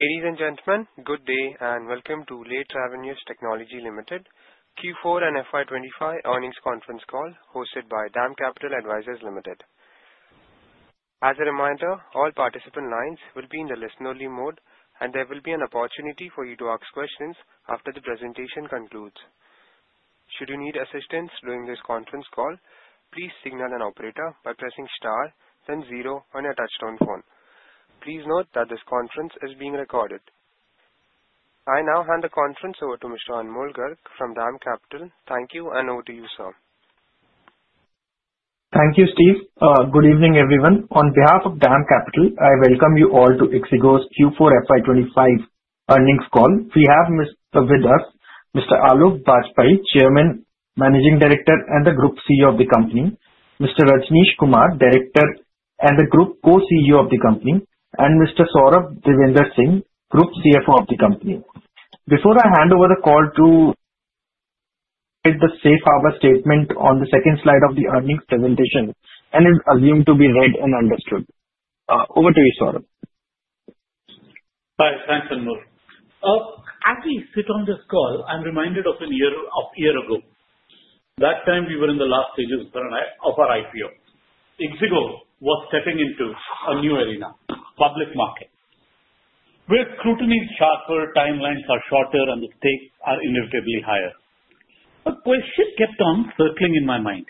Ladies and gentlemen, good day and welcome to Le Travenues Technology Limited Q4 and FY 2025 earnings conference call hosted by DAM Capital Advisors Limited. As a reminder, all participant lines will be in the listen-only mode, and there will be an opportunity for you to ask questions after the presentation concludes. Should you need assistance during this conference call, please signal an operator by pressing star, then zero on your touchstone phone. Please note that this conference is being recorded. I now hand the conference over to Mr. Arnold Gurk from DAM Capital. Thank you, and over to you, sir. Thank you, Steve. Good evening, everyone. On behalf of DAM Capital, I welcome you all to ixigo's Q4 FY 2025 earnings call. We have with us Mr. Aloke Bajpai, Chairman, Managing Director, and the Group CEO of the company; Mr. Rajnish Kumar, Director and the Group Co-CEO of the company; and Mr. Saurabh Devendra Singh, Group CFO of the company. Before I hand over the call to you, I'd like to read the safe harbor statement on the second slide of the earnings presentation, and it's assumed to be read and understood. Over to you, Saurabh. Hi, thanks, Arnold. As we sit on this call, I'm reminded of a year ago. That time, we were in the last stages of our IPO. ixigo was stepping into a new arena, public market. Where scrutiny is sharper, timelines are shorter, and the stakes are inevitably higher. A question kept on circling in my mind,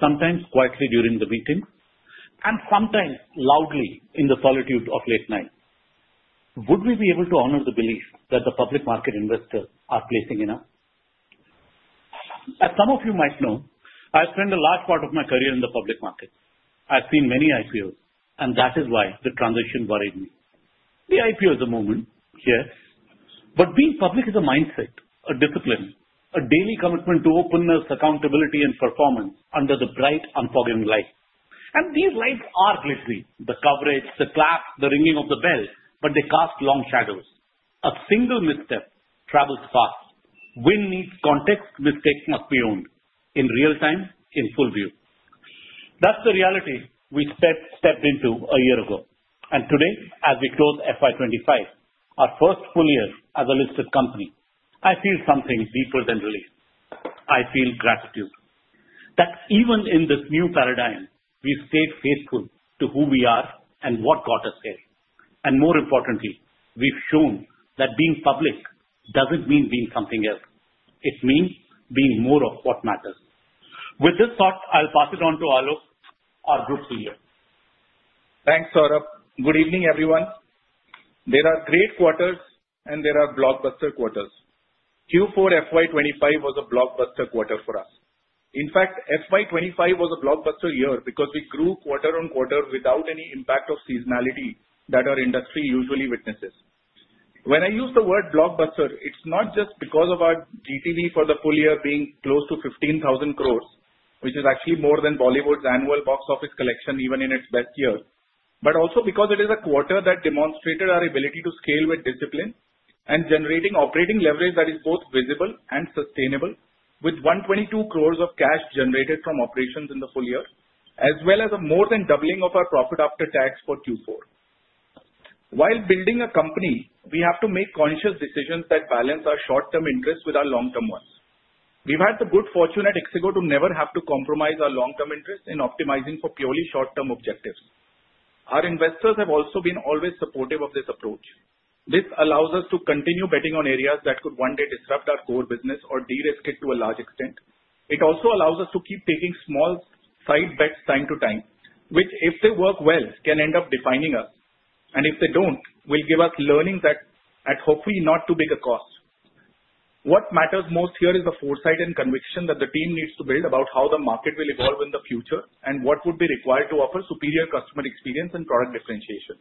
sometimes quietly during the meeting and sometimes loudly in the solitude of late night. Would we be able to honor the belief that the public market investors are placing in us? As some of you might know, I've spent a large part of my career in the public market. I've seen many IPOs, and that is why the transition worried me. The IPO is a moment, yes, but being public is a mindset, a discipline, a daily commitment to openness, accountability, and performance under the bright, unforgiving light. These lights are glittery, the coverage, the clap, the ringing of the bell, but they cast long shadows. A single misstep travels fast. When needs, context mistakes must be owned in real time, in full view. That is the reality we stepped into a year ago. Today, as we close FY 2025, our first full year as a listed company, I feel something deeper than relief. I feel gratitude that even in this new paradigm, we stayed faithful to who we are and what got us here. More importantly, we have shown that being public does not mean being something else. It means being more of what matters. With this thought, I will pass it on to Alokee, our Group CEO. Thanks, Saurabh. Good evening, everyone. There are great quarters, and there are blockbuster quarters. Q4 FY 2025 was a blockbuster quarter for us. In fact, FY 2025 was a blockbuster year because we grew quarter-on-quarter without any impact of seasonality that our industry usually witnesses. When I use the word blockbuster, it's not just because of our GTV for the full year being close to 15,000 crore, which is actually more than Bollywood's annual box office collection even in its best year, but also because it is a quarter that demonstrated our ability to scale with discipline and generating operating leverage that is both visible and sustainable, with 122 crore of cash generated from operations in the full year, as well as a more than doubling of our profit after tax for Q4. While building a company, we have to make conscious decisions that balance our short-term interests with our long-term ones. We've had the good fortune at ixigo to never have to compromise our long-term interests in optimizing for purely short-term objectives. Our investors have also been always supportive of this approach. This allows us to continue betting on areas that could one day disrupt our core business or de-risk it to a large extent. It also allows us to keep taking small side bets time to time, which, if they work well, can end up defining us. If they do not, will give us learnings at hopefully not too big a cost. What matters most here is the foresight and conviction that the team needs to build about how the market will evolve in the future and what would be required to offer superior customer experience and product differentiation.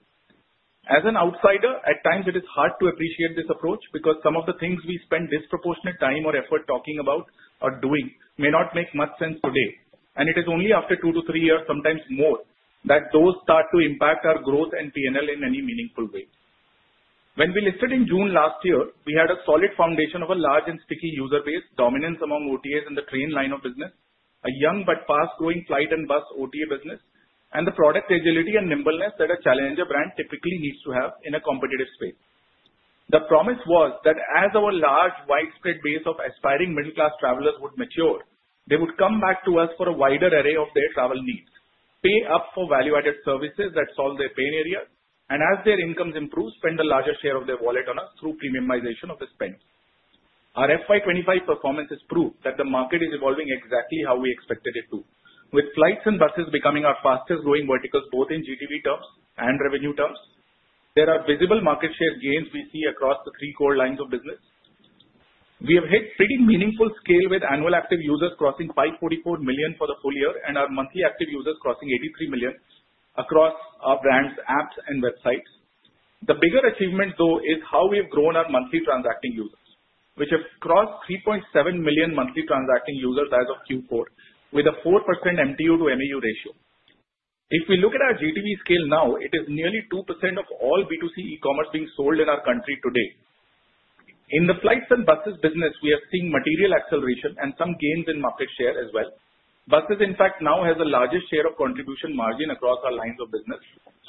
As an outsider, at times, it is hard to appreciate this approach because some of the things we spend disproportionate time or effort talking about or doing may not make much sense today. It is only after two to three years, sometimes more, that those start to impact our growth and P&L in any meaningful way. When we listed in June last year, we had a solid foundation of a large and sticky user base, dominance among OTAs in the train line of business, a young but fast-growing flight and bus OTA business, and the product agility and nimbleness that a challenger brand typically needs to have in a competitive space. The promise was that as our large, widespread base of aspiring middle-class travelers would mature, they would come back to us for a wider array of their travel needs, pay up for value-added services that solve their pain areas, and as their incomes improve, spend a larger share of their wallet on us through premiumization of the spend. Our FY 2025 performance has proved that the market is evolving exactly how we expected it to, with flights and buses becoming our fastest-growing verticals both in GTV terms and revenue terms. There are visible market share gains we see across the three core lines of business. We have hit pretty meaningful scale with annual active users crossing 544 million for the full year and our monthly active users crossing 83 million across our brand's apps and websites. The bigger achievement, though, is how we have grown our monthly transacting users, which have crossed 3.7 million monthly transacting users as of Q4 with a 4% MTU to MAU ratio. If we look at our GTV scale now, it is nearly 2% of all B2C e-commerce being sold in our country today. In the flights and buses business, we are seeing material acceleration and some gains in market share as well. Buses, in fact, now have the largest share of contribution margin across our lines of business,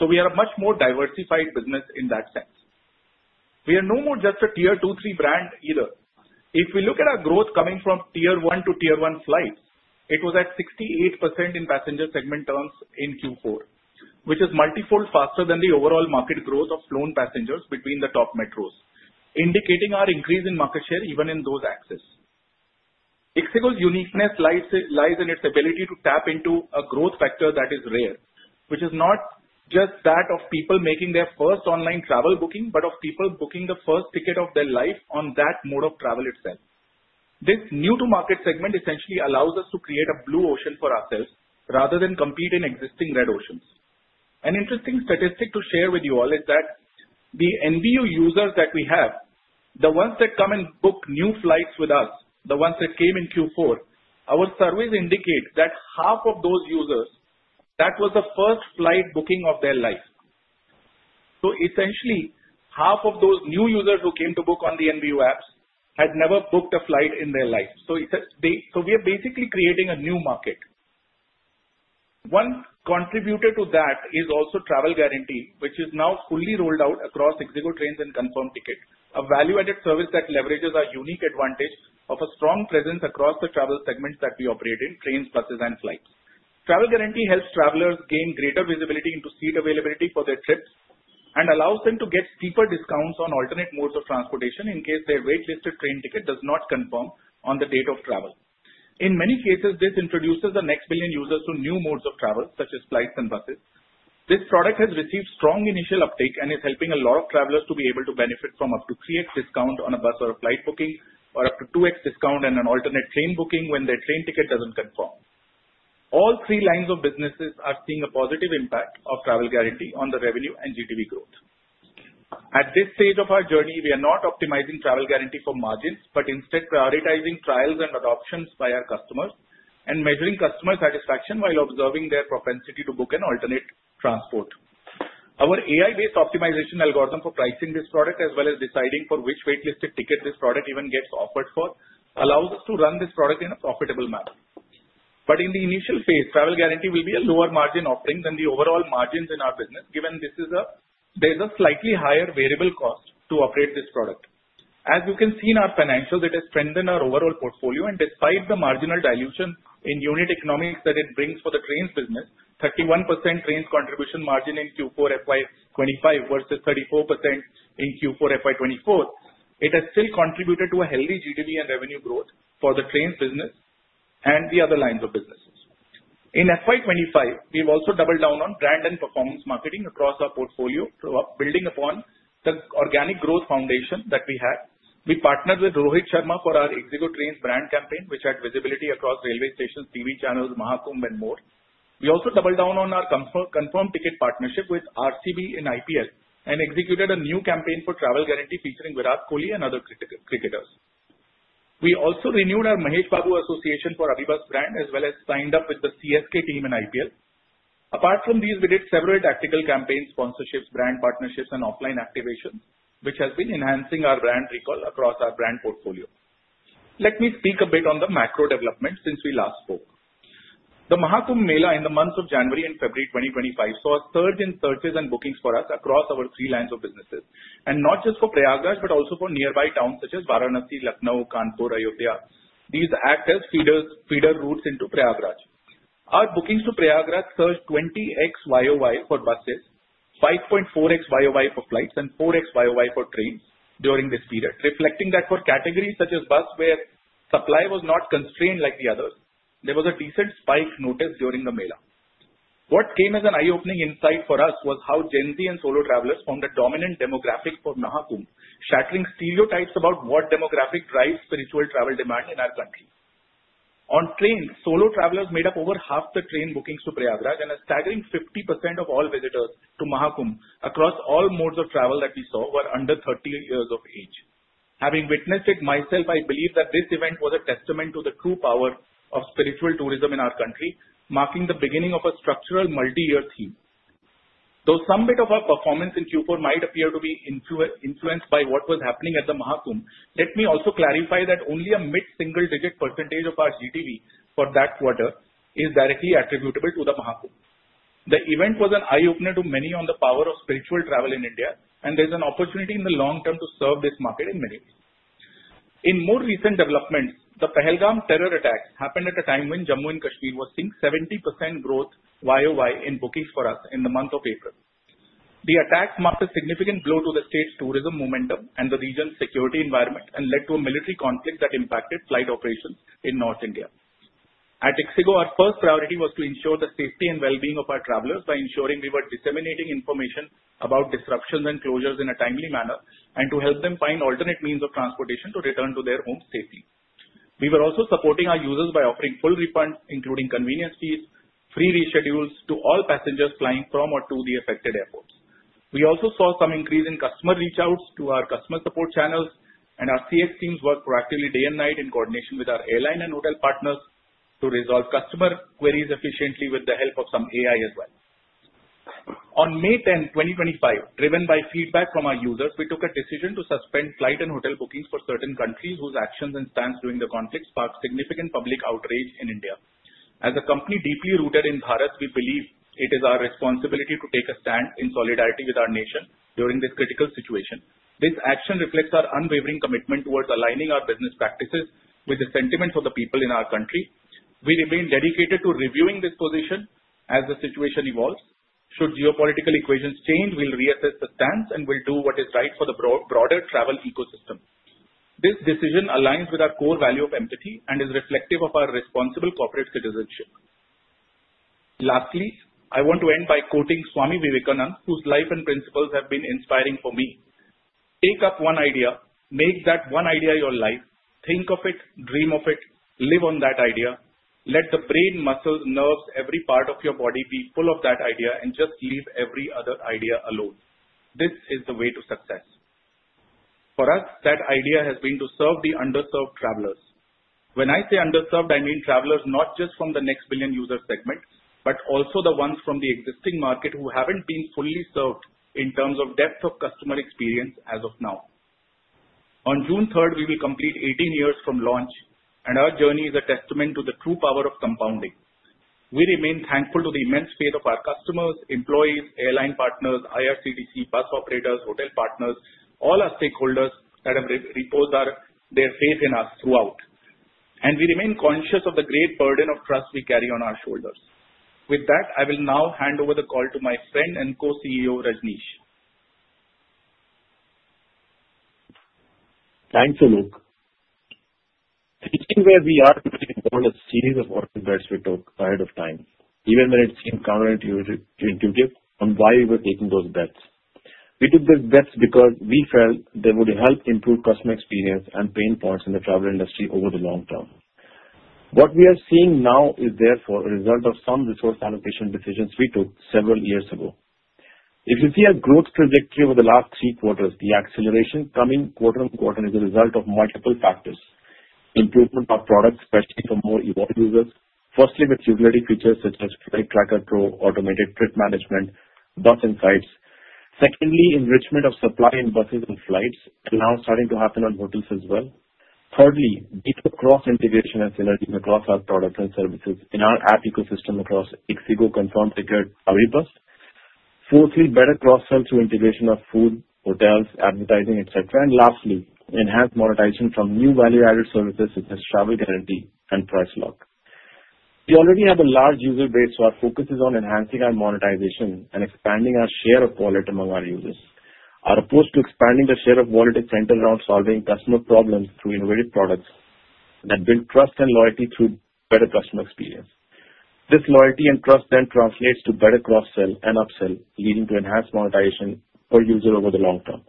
so we are a much more diversified business in that sense. We are no more just a Tier 2, 3 brand either. If we look at our growth coming from Tier 1 to Tier 1 flights, it was at 68% in passenger segment terms in Q4, which is multi-fold faster than the overall market growth of flown passengers between the top metros, indicating our increase in market share even in those axes. ixigo's uniqueness lies in its ability to tap into a growth factor that is rare, which is not just that of people making their first online travel booking, but of people booking the first ticket of their life on that mode of travel itself. This new-to-market segment essentially allows us to create a blue ocean for ourselves rather than compete in existing red oceans. An interesting statistic to share with you all is that the NBU users that we have, the ones that come and book new flights with us, the ones that came in Q4, our surveys indicate that half of those users, that was the first flight booking of their life. Essentially, half of those new users who came to book on the NBU apps had never booked a flight in their life. We are basically creating a new market. One contributor to that is also Travel Guarantee, which is now fully rolled out across ixigo Trains and Confirmed Tickets, a value-added service that leverages our unique advantage of a strong presence across the travel segments that we operate in: trains, buses, and flights. Travel Guarantee helps travelers gain greater visibility into seat availability for their trips and allows them to get steeper discounts on alternate modes of transportation in case their wait-listed train ticket does not confirm on the date of travel. In many cases, this introduces the next billion users to new modes of travel, such as flights and buses. This product has received strong initial uptake and is helping a lot of travelers to be able to benefit from up to 3X discount on a bus or a flight booking, or up to 2X discount on an alternate train booking when their train ticket doesn't confirm. All three lines of businesses are seeing a positive impact of Travel Guarantee on the revenue and GTV growth. At this stage of our journey, we are not optimizing Travel Guarantee for margins, but instead prioritizing trials and adoptions by our customers and measuring customer satisfaction while observing their propensity to book an alternate transport. Our AI-based optimization algorithm for pricing this product, as well as deciding for which wait-listed ticket this product even gets offered for, allows us to run this product in a profitable manner. In the initial phase, Travel Guarantee will be a lower margin offering than the overall margins in our business, given there is a slightly higher variable cost to operate this product. As you can see in our financials, it has strengthened our overall portfolio, and despite the marginal dilution in unit economics that it brings for the trains business, 31% trains contribution margin in Q4 FY 2025 versus 34% in Q4 FY 2024, it has still contributed to a healthy GTV and revenue growth for the trains business and the other lines of businesses. In FY 2025, we've also doubled down on brand and performance marketing across our portfolio, building upon the organic growth foundation that we had. We partnered with Rohit Sharma for our ixigo Trains brand campaign, which had visibility across railway stations, TV channels, Maha Kumbh, and more. We also doubled down on our Confirmed Tickets partnership with RCB in IPL and executed a new campaign for Travel Guarantee featuring Virat Kohli and other cricketers. We also renewed our Mahesh Babu association for AbhiBus brand, as well as signed up with the CSK team in IPL. Apart from these, we did several tactical campaigns, sponsorships, brand partnerships, and offline activations, which has been enhancing our brand recall across our brand portfolio. Let me speak a bit on the macro development since we last spoke. The Maha Kumbh Mela in the months of January and February 2025 saw a surge in searches and bookings for us across our three lines of businesses, and not just for Prayagraj, but also for nearby towns such as Varanasi, Lucknow, Kanpur, Ayodhya. These act as feeder routes into Prayagraj. Our bookings to Prayagraj surged 20x YoY for buses, 5.4x YoY for flights, and 4x YoY for trains during this period, reflecting that for categories such as bus, where supply was not constrained like the others, there was a decent spike noticed during the Mela. What came as an eye-opening insight for us was how Gen Z and solo travelers formed a dominant demographic for Maha Kumbh, shattering stereotypes about what demographic drives spiritual travel demand in our country. On trains, solo travelers made up over half the train bookings to Prayagraj, and a staggering 50% of all visitors to Maha Kumbh across all modes of travel that we saw were under 30 years of age. Having witnessed it myself, I believe that this event was a testament to the true power of spiritual tourism in our country, marking the beginning of a structural multi-year theme. Though some bit of our performance in Q4 might appear to be influenced by what was happening at the Maha Kumbh, let me also clarify that only a mid-single-digit percentage of our GTV for that quarter is directly attributable to the Maha Kumbh. The event was an eye-opener to many on the power of spiritual travel in India, and there's an opportunity in the long term to serve this market in many ways. In more recent developments, the Pahalgam terror attacks happened at a time when Jammu and Kashmir was seeing 70% growth YoY in bookings for us in the month of April. The attacks marked a significant blow to the state's tourism momentum and the region's security environment and led to a military conflict that impacted flight operations in North India. At ixigo, our first priority was to ensure the safety and well-being of our travelers by ensuring we were disseminating information about disruptions and closures in a timely manner and to help them find alternate means of transportation to return to their homes safely. We were also supporting our users by offering full refunds, including convenience fees, free reschedules to all passengers flying from or to the affected airports. We also saw some increase in customer reach-outs to our customer support channels, and our CX teams worked proactively day and night in coordination with our airline and hotel partners to resolve customer queries efficiently with the help of some AI as well. On May 10, 2025, driven by feedback from our users, we took a decision to suspend flight and hotel bookings for certain countries whose actions and stance during the conflict sparked significant public outrage in India. As a company deeply rooted in Bharat, we believe it is our responsibility to take a stand in solidarity with our nation during this critical situation. This action reflects our unwavering commitment towards aligning our business practices with the sentiments of the people in our country. We remain dedicated to reviewing this position as the situation evolves. Should geopolitical equations change, we'll reassess the stance and will do what is right for the broader travel ecosystem. This decision aligns with our core value of empathy and is reflective of our responsible corporate citizenship. Lastly, I want to end by quoting Swami Vivekananda, whose life and principles have been inspiring for me. Take up one idea, make that one idea your life, think of it, dream of it, live on that idea. Let the brain, muscles, nerves, every part of your body be full of that idea and just leave every other idea alone. This is the way to success. For us, that idea has been to serve the underserved travelers. When I say underserved, I mean travelers not just from the next billion user segment, but also the ones from the existing market who haven't been fully served in terms of depth of customer experience as of now. On June 3rd, we will complete 18 years from launch, and our journey is a testament to the true power of compounding. We remain thankful to the immense faith of our customers, employees, airline partners, IRCTC bus operators, hotel partners, all our stakeholders that have reposed their faith in us throughout. We remain conscious of the great burden of trust we carry on our shoulders. With that, I will now hand over the call to my friend and Co-CEO, Rajnish. Thank you, Alokee. Switching where we are, we want to see the important bets we took ahead of time, even when it seemed counterintuitive on why we were taking those bets. We took these bets because we felt they would help improve customer experience and pain points in the travel industry over the long term. What we are seeing now is therefore a result of some resource allocation decisions we took several years ago. If you see our growth trajectory over the last three quarters, the acceleration coming quarter-on-quarter is a result of multiple factors: improvement of products, especially for more evolved users, firstly with regulatory features such as Flight Tracker Pro, automated trip management, bus insights. Secondly, enrichment of supply in buses and flights and now starting to happen on hotels as well. Thirdly, deeper cross-integration and synergies across our products and services in our app ecosystem across ixigo, Confirmed Tickets, AbhiBus. Fourthly, better cross-sell through integration of food, hotels, advertising, etc. Lastly, enhanced monetization from new value-added services such as Travel Guarantee and Price Lock. We already have a large user base, so our focus is on enhancing our monetization and expanding our share of wallet among our users. Our approach to expanding the share of wallet is centered around solving customer problems through innovative products that build trust and loyalty through better customer experience. This loyalty and trust then translates to better cross-sell and upsell, leading to enhanced monetization per user over the long term.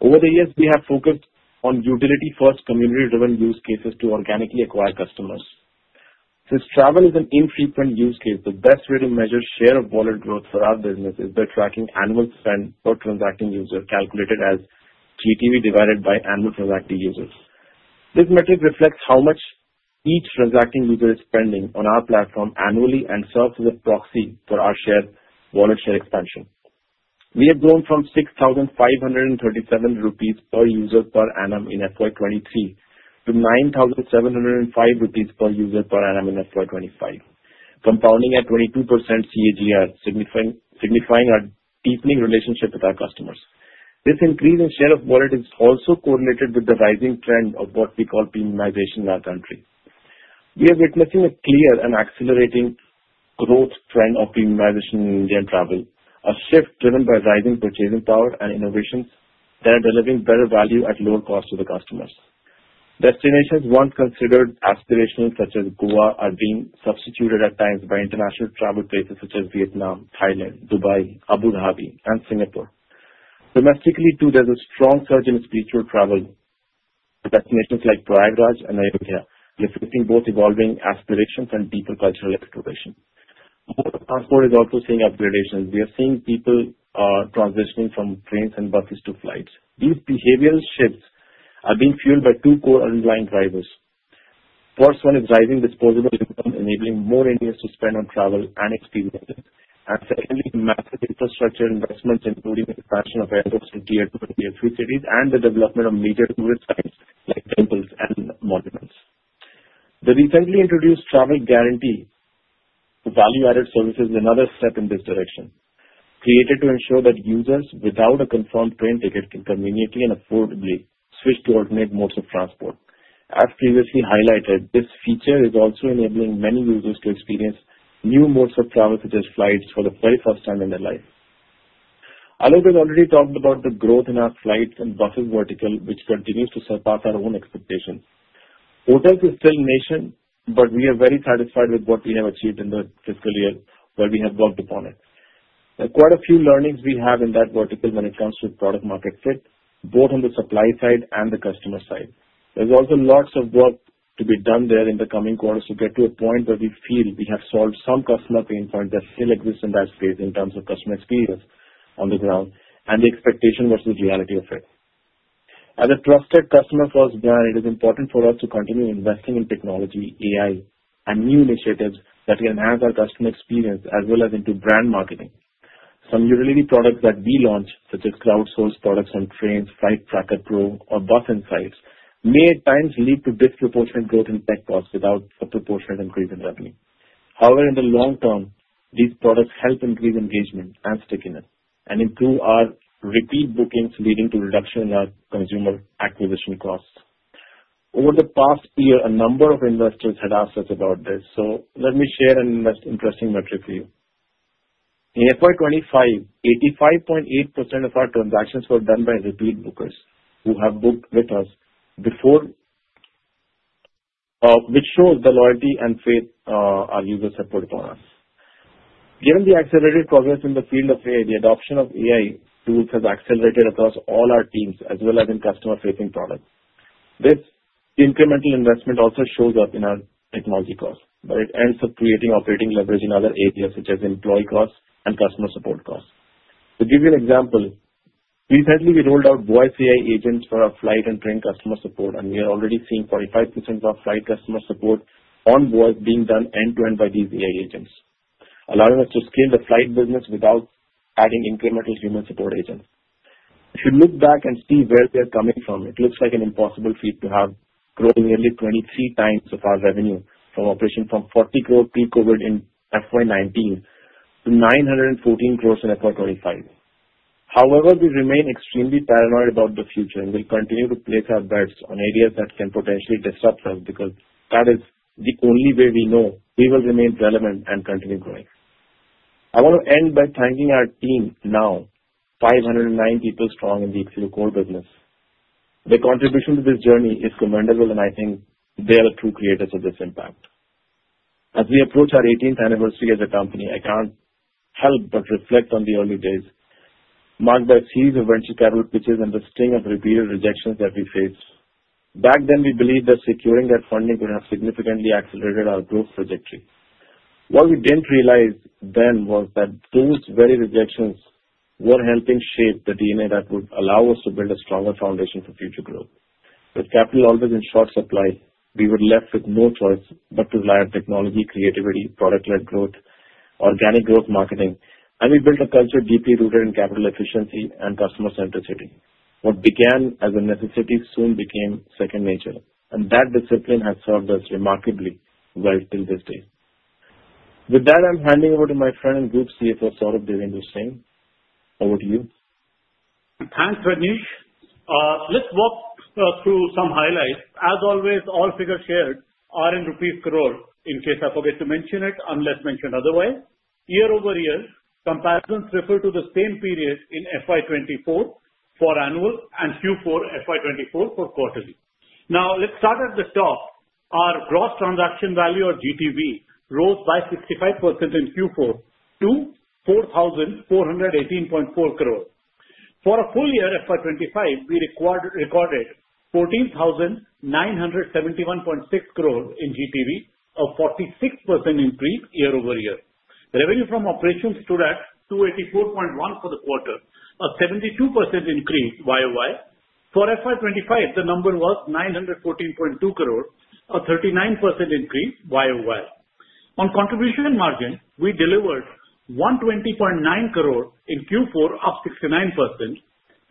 Over the years, we have focused on utility-first community-driven use cases to organically acquire customers. Since travel is an infrequent use case, the best way to measure share of wallet growth for our business is by tracking annual spend per transacting user, calculated as GTV divided by annual transacting users. This metric reflects how much each transacting user is spending on our platform annually and serves as a proxy for our share wallet share expansion. We have grown from 6,537 rupees per user per annum in 2023 to 9,705 rupees per user per annum in 2025, compounding at 22% CAGR, signifying our deepening relationship with our customers. This increase in share of wallet is also correlated with the rising trend of what we call premiumization in our country. We are witnessing a clear and accelerating growth trend of premiumization in Indian travel, a shift driven by rising purchasing power and innovations that are delivering better value at lower costs to the customers. Destinations once considered aspirational, such as Goa, are being substituted at times by international travel places such as Vietnam, Thailand, Dubai, Abu Dhabi, and Singapore. Domestically, too, there's a strong surge in spiritual travel destinations like Prayagraj and Ayodhya, reflecting both evolving aspirations and deeper cultural exploration. Transport is also seeing upgradations. We are seeing people transitioning from trains and buses to flights. These behavioral shifts are being fueled by two core underlying drivers. The first one is rising disposable income, enabling more Indians to spend on travel and experiences. Secondly, massive infrastructure investments, including expansion of airports from Tier 2 to Tier 3 cities and the development of major tourist sites like temples and monuments. The recently introduced Travel Guarantee value-added services is another step in this direction, created to ensure that users without a confirmed train ticket can conveniently and affordably switch to alternate modes of transport. As previously highlighted, this feature is also enabling many users to experience new modes of travel such as flights for the very first time in their life. Aloke has already talked about the growth in our flights and buses vertical, which continues to surpass our own expectations. Hotels is still nascent, but we are very satisfied with what we have achieved in the fiscal year where we have worked upon it. There are quite a few learnings we have in that vertical when it comes to product-market fit, both on the supply side and the customer side. There's also lots of work to be done there in the coming quarters to get to a point where we feel we have solved some customer pain points that still exist in that space in terms of customer experience on the ground and the expectation versus reality of it. As a trusted customer-first brand, it is important for us to continue investing in technology, AI, and new initiatives that can enhance our customer experience as well as into brand marketing. Some utility products that we launch, such as crowd-sourced products on trains, Flight Tracker Pro, or Bus Insights, may at times lead to disproportionate growth in tech costs without a proportionate increase in revenue. However, in the long term, these products help increase engagement and stickiness and improve our repeat bookings, leading to a reduction in our consumer acquisition costs. Over the past year, a number of investors had asked us about this, so let me share an interesting metric for you. In FY 2025, 85.8% of our transactions were done by repeat bookers who have booked with us before, which shows the loyalty and faith our users have put upon us. Given the accelerated progress in the field of AI, the adoption of AI tools has accelerated across all our teams, as well as in customer-facing products. This incremental investment also shows up in our technology costs, but it ends up creating operating leverage in other areas such as employee costs and customer support costs. To give you an example, recently we rolled out Voice AI Agents for our flight and train customer support, and we are already seeing 45% of our flight customer support on Voice being done end-to-end by these AI agents, allowing us to scale the flight business without adding incremental human support agents. If you look back and see where we are coming from, it looks like an impossible feat to have grown nearly 23 times of our revenue from operation from 40 crore pre-COVID in FY 2019 to 914 crore in FY 2025. However, we remain extremely paranoid about the future and will continue to place our bets on areas that can potentially disrupt us because that is the only way we know we will remain relevant and continue growing. I want to end by thanking our team, now 509 people strong in the ixigo core business. Their contribution to this journey is commendable, and I think they are the true creators of this impact. As we approach our 18th anniversary as a company, I can't help but reflect on the early days marked by a series of venture capital pitches and the string of repeated rejections that we faced. Back then, we believed that securing that funding would have significantly accelerated our growth trajectory. What we didn't realize then was that those very rejections were helping shape the DNA that would allow us to build a stronger foundation for future growth. With capital always in short supply, we were left with no choice but to rely on technology, creativity, product-led growth, organic growth marketing, and we built a culture deeply rooted in capital efficiency and customer centricity. What began as a necessity soon became second nature, and that discipline has served us remarkably well till this day. With that, I'm handing over to my friend and Group CFO, Saurabh Devendra Singh. Over to you. Thanks, Rajnish. Let's walk through some highlights. As always, all figures shared are in rupees crore in case I forget to mention it unless mentioned otherwise. Year-over-year, comparisons refer to the same period in FY 2024 for annual and Q4 FY 2024 for quarterly. Now, let's start at the top. Our gross transaction value, or GTV, rose by 65% in Q4 to 4,418.4 crore. For the full year FY 2025, we recorded 14,971.6 crore in GTV, a 46% increase year-over-year. Revenue from operations stood at 284.1 crore for the quarter, a 72% increase YoY. For FY 2025, the number was 914.2 crore, a 39% increaseYoY. On contribution margin, we delivered 120.9 crore in Q4, up 69%.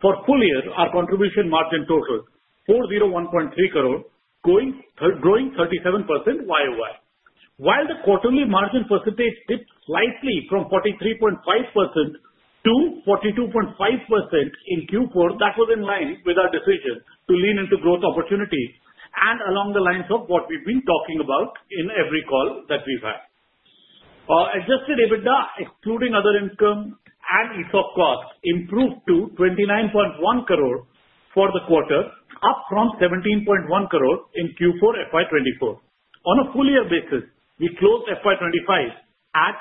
For the full year, our contribution margin totaled 401.3 crore, growing 37% YoY. While the quarterly margin percentage dipped slightly from 43.5% to 42.5% in Q4, that was in line with our decision to lean into growth opportunities and along the lines of what we've been talking about in every call that we've had. Adjusted EBITDA, excluding other income and ESOP costs, improved to 29.1 crore for the quarter, up from 17.1 crore in Q4 FY24. On a full year basis, we closed FY 2025 at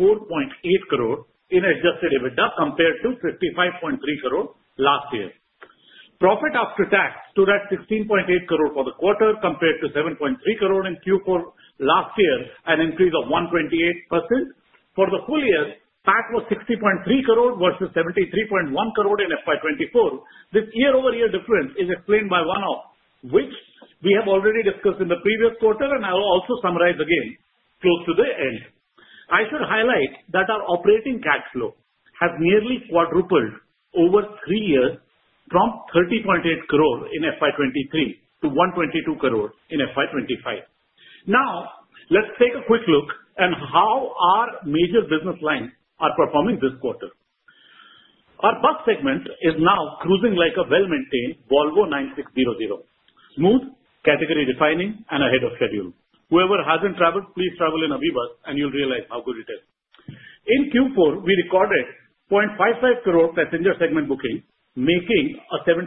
94.8 crore in adjusted EBITDA compared to 55.3 crore last year. Profit after tax stood at 16.8 crore for the quarter, compared to 7.3 crore in Q4 last year, an increase of 128%. For the full year, that was 60.3 crore versus 73.1 crore in FY 2024. This year-over-year difference is explained by one-off, which we have already discussed in the previous quarter, and I'll also summarize again close to the end. I should highlight that our operating cash flow has nearly quadrupled over three years from 30.8 crore in FY 2023 to 122 crore in FY 2025. Now, let's take a quick look at how our major business lines are performing this quarter. Our bus segment is now cruising like a well-maintained Volvo 9600, smooth, category-defining, and ahead of schedule. Whoever hasn't traveled, please travel in AbhiBus, and you'll realize how good it is. In Q4, we recorded 5.5 million passenger segment booking, making a 78%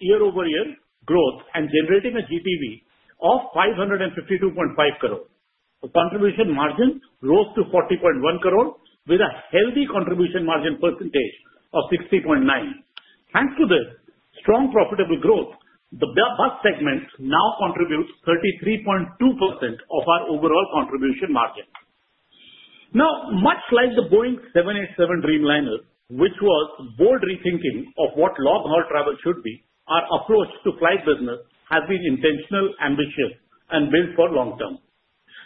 year-over-year growth and generating a GTV of 552.5 crore. The contribution margin rose to 40.1 crore, with a healthy contribution margin percentage of 60.9%. Thanks to this strong profitable growth, the bus segment now contributes 33.2% of our overall contribution margin. Now, much like the Boeing 787 Dreamliner, which was a bold rethinking of what long-haul travel should be, our approach to flight business has been intentional, ambitious, and built for long term.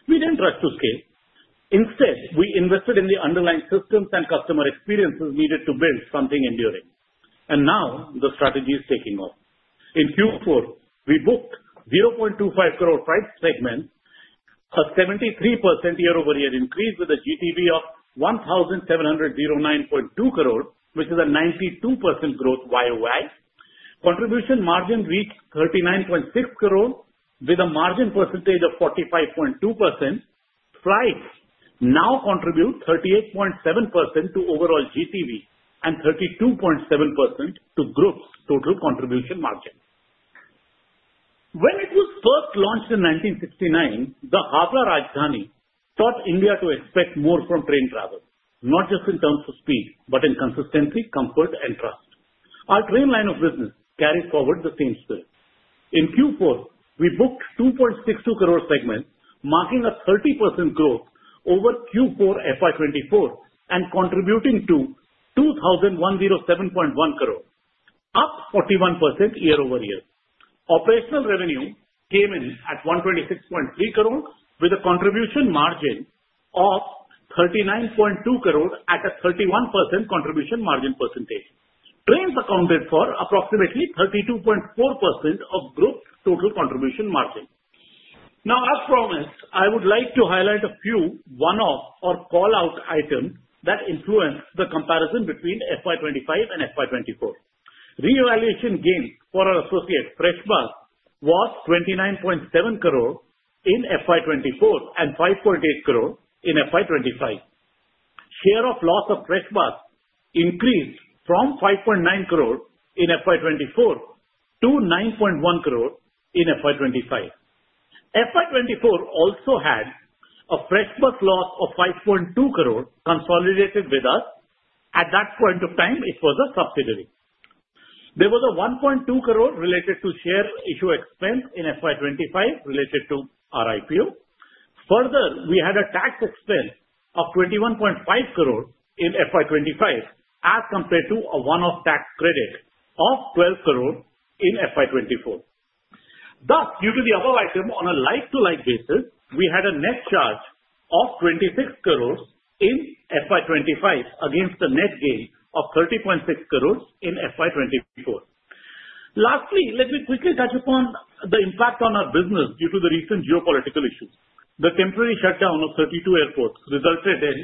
We didn't rush to scale. Instead, we invested in the underlying systems and customer experiences needed to build something enduring. Now, the strategy is taking off. In Q4, we booked 0.25 crore flight segment, a 73% year-over-year increase with a GTV of 1,709.2 crore, which is a 92% growth YoY. Contribution margin reached 39.6 crore, with a margin percentage of 45.2%. Flights now contribute 38.7% to overall GTV and 32.7% to group's total contribution margin. When it was first launched in 1969, the Hafla Rajdhani taught India to expect more from train travel, not just in terms of speed, but in consistency, comfort, and trust. Our train line of business carried forward the same spirit. In Q4, we booked 2.62 crore segment, marking a 30% growth over Q4 FY 2024 and contributing to 2,107.1 crore, up 41% year-over-year. Operational revenue came in at 126.3 crore, with a contribution margin of 39.2 crore at a 31% contribution margin percentage. Trains accounted for approximately 32.4% of group's total contribution margin. Now, as promised, I would like to highlight a few one-off or call-out items that influenced the comparison between FY 2025 and FY 2024. Re-evaluation gain for our associate FreshBus was 29.7 crore in FY 2024 and 5.8 crore in FY 2025. Share of loss of FreshBus increased from 5.9 crore in FY 2024 to 9.1 crore in FY 2025. FY 2024 also had a FreshBus loss of 5.2 crore consolidated with us. At that point of time, it was a subsidiary. There was 1.2 crore related to share issue expense in FY 2025 related to our IPO. Further, we had a tax expense of 21.5 crore in FY 2025 as compared to a one-off tax credit of 12 crore in FY 2024. Thus, due to the above item, on a like-to-like basis, we had a net charge of 26 crore in FY 2025 against a net gain of 30.6 crore in FY 2024. Lastly, let me quickly touch upon the impact on our business due to the recent geopolitical issues. The temporary shutdown of 32 airports resulted in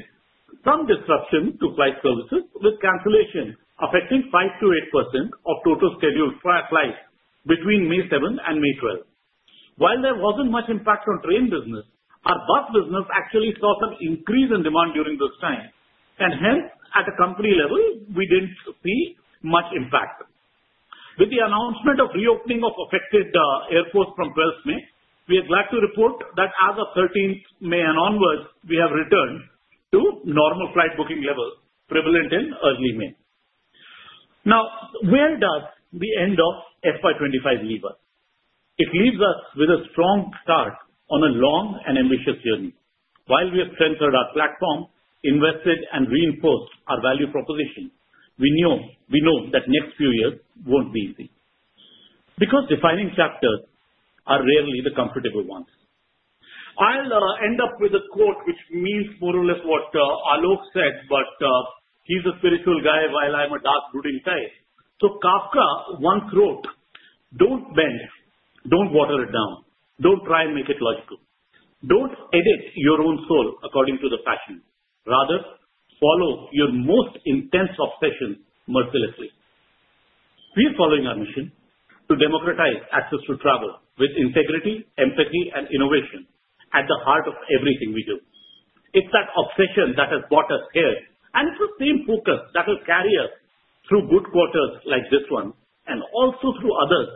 some disruption to flight services, with cancellations affecting 5%-8% of total scheduled flights between May 7 and May 12. While there was not much impact on train business, our bus business actually saw some increase in demand during this time. Hence, at a company level, we did not see much impact. With the announcement of reopening of affected airports from May 12, we are glad to report that as of May 13 and onwards, we have returned to normal flight booking levels prevalent in early May. Now, where does the end of FY 2025 leave us? It leaves us with a strong start on a long and ambitious journey. While we have strengthened our platform, invested, and reinforced our value proposition, we know that next few years won't be easy because defining chapters are rarely the comfortable ones. I'll end up with a quote which means more or less what Aloke said, but he's a spiritual guy while I'm a dark-brewed entire. So Kafka once wrote, "Don't bend, don't water it down, don't try and make it logical. Don't edit your own soul according to the fashion. Rather, follow your most intense obsession mercilessly." We are following our mission to democratize access to travel with integrity, empathy, and innovation at the heart of everything we do. It's that obsession that has brought us here, and it's the same focus that will carry us through good quarters like this one and also through others,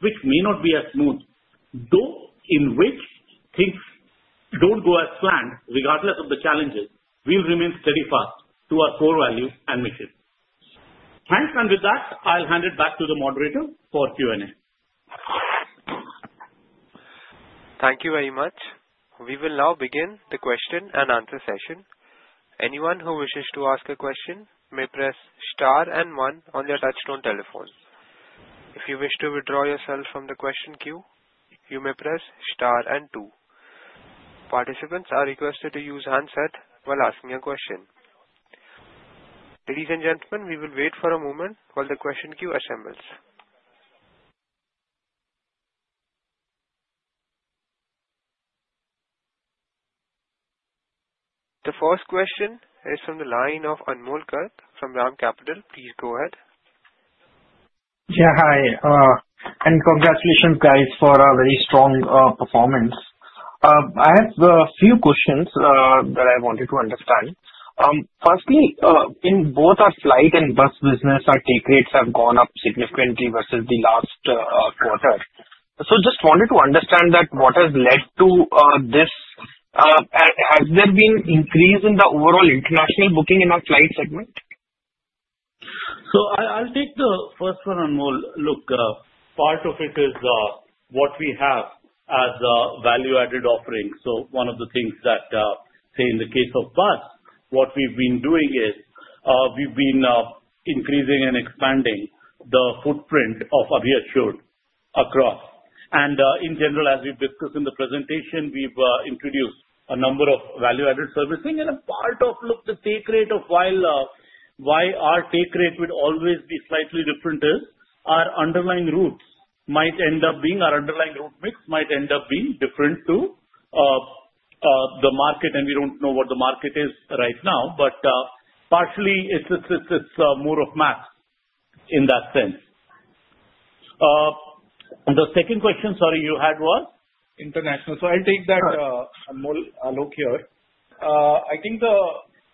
which may not be as smooth. Though in which things do not go as planned, regardless of the challenges, we will remain steadfast to our core value and mission. Thanks, and with that, I will hand it back to the moderator for Q&A. Thank you very much. We will now begin the question and answer session. Anyone who wishes to ask a question may press star and one on their touchstone telephones. If you wish to withdraw yourself from the question queue, you may press star and two. Participants are requested to use handset while asking a question. Ladies and gentlemen, we will wait for a moment while the question queue assembles. The first question is from the line of Anmol Garg from DAM Capital. Please go ahead. Yeah, hi. And congratulations, guys, for a very strong performance. I have a few questions that I wanted to understand. Firstly, in both our flight and bus business, our take rates have gone up significantly versus the last quarter. Just wanted to understand what has led to this. Has there been an increase in the overall international booking in our flight segment? I'll take the first one, Anmol. Look, part of it is what we have as a value-added offering. One of the things that, say, in the case of bus, what we've been doing is we've been increasing and expanding the footprint of AbhiBus across. In general, as we've discussed in the presentation, we've introduced a number of value-added servicing. A part of the take rate, while our take rate would always be slightly different, is our underlying routes might end up being, our underlying route mix might end up being different to the market. We do not know what the market is right now, but partially, it is more of math in that sense. The second question, sorry, you had was international. I will take that, Anmol, Aloke here. I think the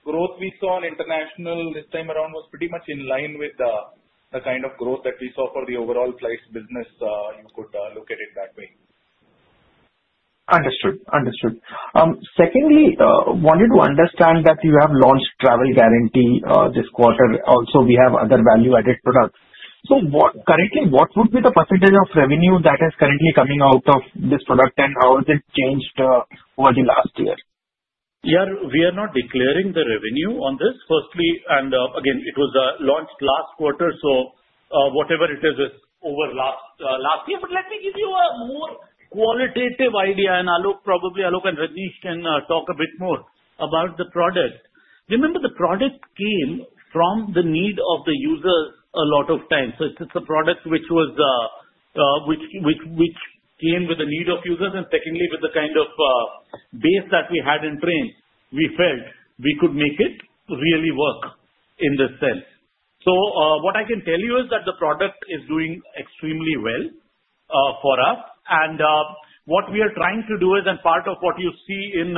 growth we saw on international this time around was pretty much in line with the kind of growth that we saw for the overall flight business. You could look at it that way. Understood. Understood. Secondly, wanted to understand that you have launched travel guarantee this quarter. Also, we have other value-added products. Currently, what would be the percentage of revenue that is currently coming out of this product, and how has it changed over the last year? Yeah, we are not declaring the revenue on this. Firstly, and again, it was launched last quarter, so whatever it is over last year. Let me give you a more qualitative idea, and probably Aloke and Rajnish can talk a bit more about the product. Remember, the product came from the need of the users a lot of times. It is a product which came with the need of users. Secondly, with the kind of base that we had in trains, we felt we could make it really work in this sense. What I can tell you is that the product is doing extremely well for us. What we are trying to do is, and part of what you see in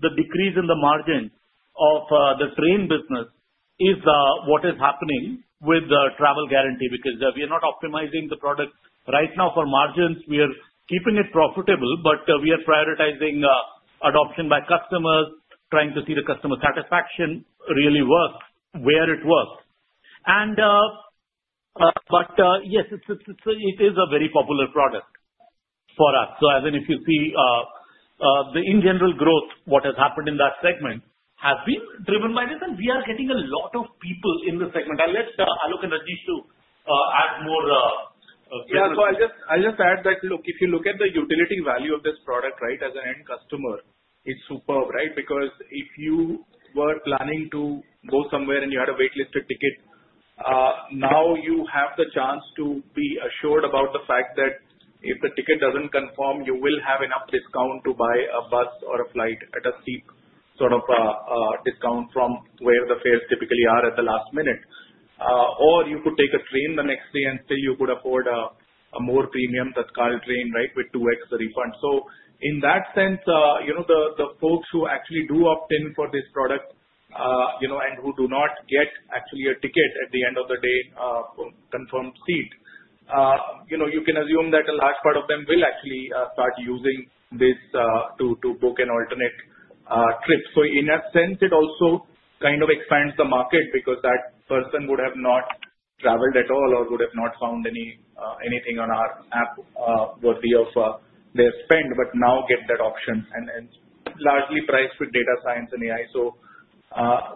the decrease in the margin of the train business is what is happening with the travel guarantee because we are not optimizing the product right now for margins. We are keeping it profitable, but we are prioritizing adoption by customers, trying to see the customer satisfaction really work where it works. Yes, it is a very popular product for us. As in, if you see the in-general growth, what has happened in that segment has been driven by this. We are getting a lot of people in the segment. I'll let Aloke and Rajnish add more questions. Yeah, I'll just add that, look, if you look at the utility value of this product, right, as an end customer, it's superb, right? Because if you were planning to go somewhere and you had a waitlisted ticket, now you have the chance to be assured about the fact that if the ticket doesn't confirm, you will have enough discount to buy a bus or a flight at a steep sort of discount from where the fares typically are at the last minute. You could take a train the next day and still you could afford a more premium tactile train, right, with 2x the refund. In that sense, the folks who actually do opt in for this product and who do not get actually a ticket at the end of the day, confirmed seat, you can assume that a large part of them will actually start using this to book an alternate trip. In that sense, it also kind of expands the market because that person would have not traveled at all or would have not found anything on our app worthy of their spend, but now get that option and largely priced with data science and AI.